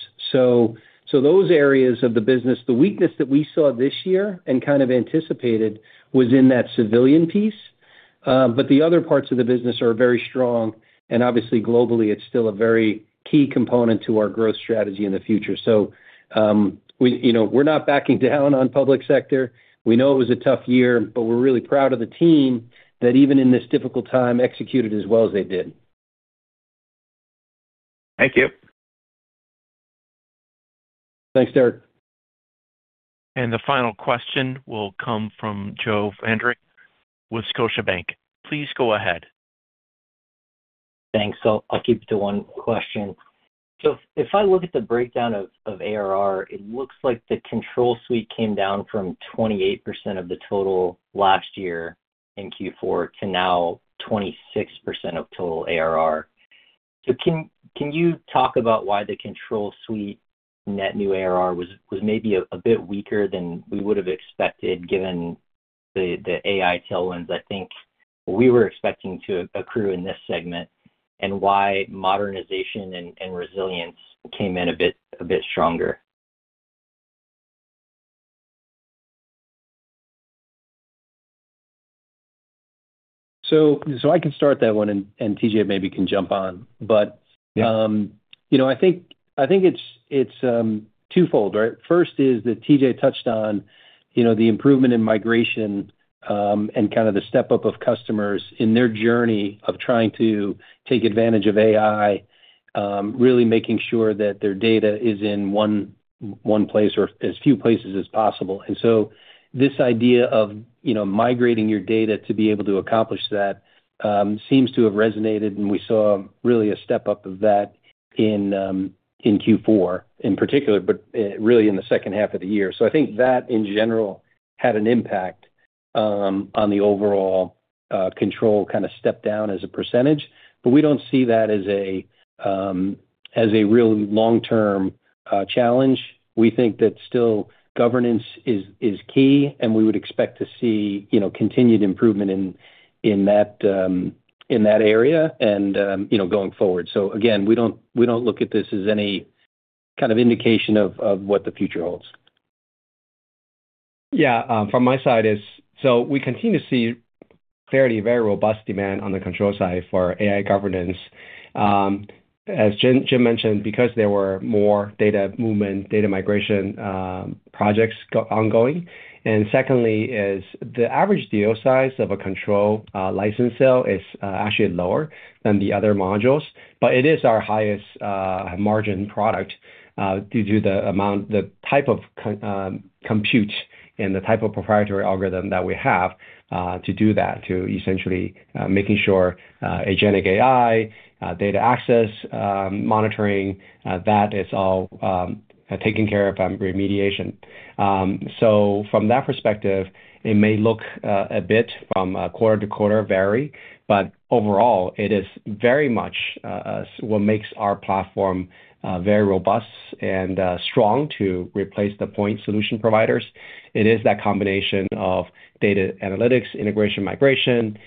Those areas of the business, the weakness that we saw this year and kind of anticipated was in that civilian piece, but the other parts of the business are very strong, and obviously globally, it's still a very key component to our growth strategy in the future. We, you know, we're not backing down on public sector. We know it was a tough year, but we're really proud of the team that even in this difficult time, executed as well as they did. Thank you. Thanks, Derek. The final question will come from Joe Vandrick with Scotiabank. Please go ahead. Thanks. I'll keep it to one question. If I look at the breakdown of ARR, it looks like the Control Suite came down from 28% of the total last year in Q4 to now 26% of total ARR. Can you talk about why the Control Suite net new ARR was maybe a bit weaker than we would have expected given the AI tailwinds I think we were expecting to accrue in this segment, and why Modernization and Resilience came in a bit stronger? I can start that one, and TJ maybe can jump on. Yeah. You know, I think it's twofold, right? First is that TJ touched on, you know, the improvement in migration, and kind of the step-up of customers in their journey of trying to take advantage of AI, really making sure that their data is in one place or as few places as possible. This idea of, you know, migrating your data to be able to accomplish that, seems to have resonated, and we saw really a step-up of that in Q4 in particular, but really in the second half of the year. I think that in general had an impact on the overall control kind of step down as a percentage. We don't see that as a real long-term challenge. We think that still governance is key, and we would expect to see, you know, continued improvement in that area and, you know, going forward. Again, we don't look at this as any kind of indication of what the future holds. Yeah. From my side is we continue to see clearly very robust demand on the Control side for AI governance. As Jim mentioned, because there were more data movement, data migration, projects ongoing. Secondly is the average deal size of a Control license sale is actually lower than the other modules, but it is our highest margin product due to the amount, the type of compute and the type of proprietary algorithm that we have to do that, to essentially making sure agentic AI data access monitoring that is all taken care of and remediation. From that perspective, it may look a bit from a quarter-to-quarter vary, but overall it is very much what makes our platform very robust and strong to replace the point solution providers. It is that combination of data analytics, integration, migration,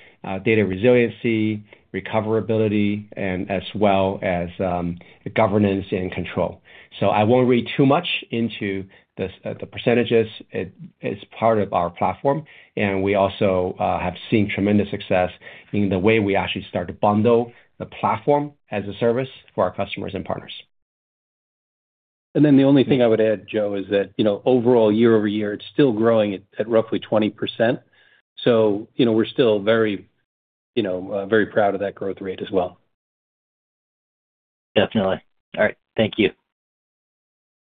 data resiliency, recoverability, and as well as governance and control. I won't read too much into this, the percentages. It is part of our platform, and we also have seen tremendous success in the way we actually start to bundle the platform as a service for our customers and partners. The only thing I would add, Joe, is that, you know, overall year-over-year, it's still growing at roughly 20%. You know, we're still very, you know, very proud of that growth rate as well. Definitely. All right. Thank you.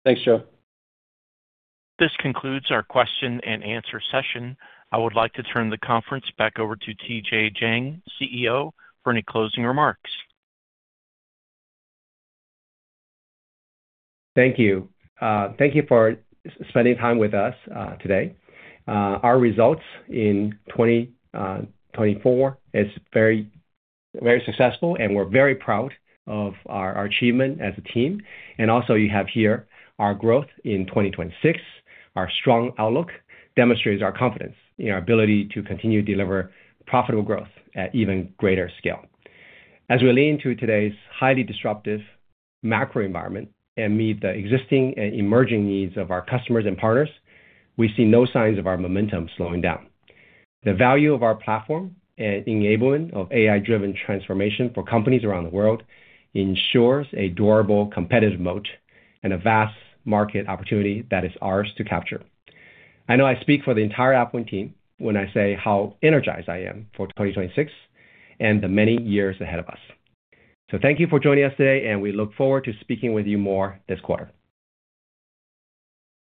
Thanks, Joe. This concludes our question and answer session. I would like to turn the conference back over to TJ Jiang, CEO, for any closing remarks. Thank you. Thank you for spending time with us today. Our results in 2024 is very successful, and we're very proud of our achievement as a team. Also you have here our growth in 2026. Our strong outlook demonstrates our confidence in our ability to continue to deliver profitable growth at even greater scale. As we lean into today's highly disruptive macro environment and meet the existing and emerging needs of our customers and partners, we see no signs of our momentum slowing down. The value of our platform and enabling of AI-driven transformation for companies around the world ensures a durable competitive moat and a vast market opportunity that is ours to capture. I know I speak for the entire AvePoint team when I say how energized I am for 2026 and the many years ahead of us. Thank you for joining us today, and we look forward to speaking with you more this quarter.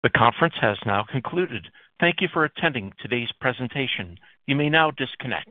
The conference has now concluded. Thank you for attending today's presentation. You may now disconnect.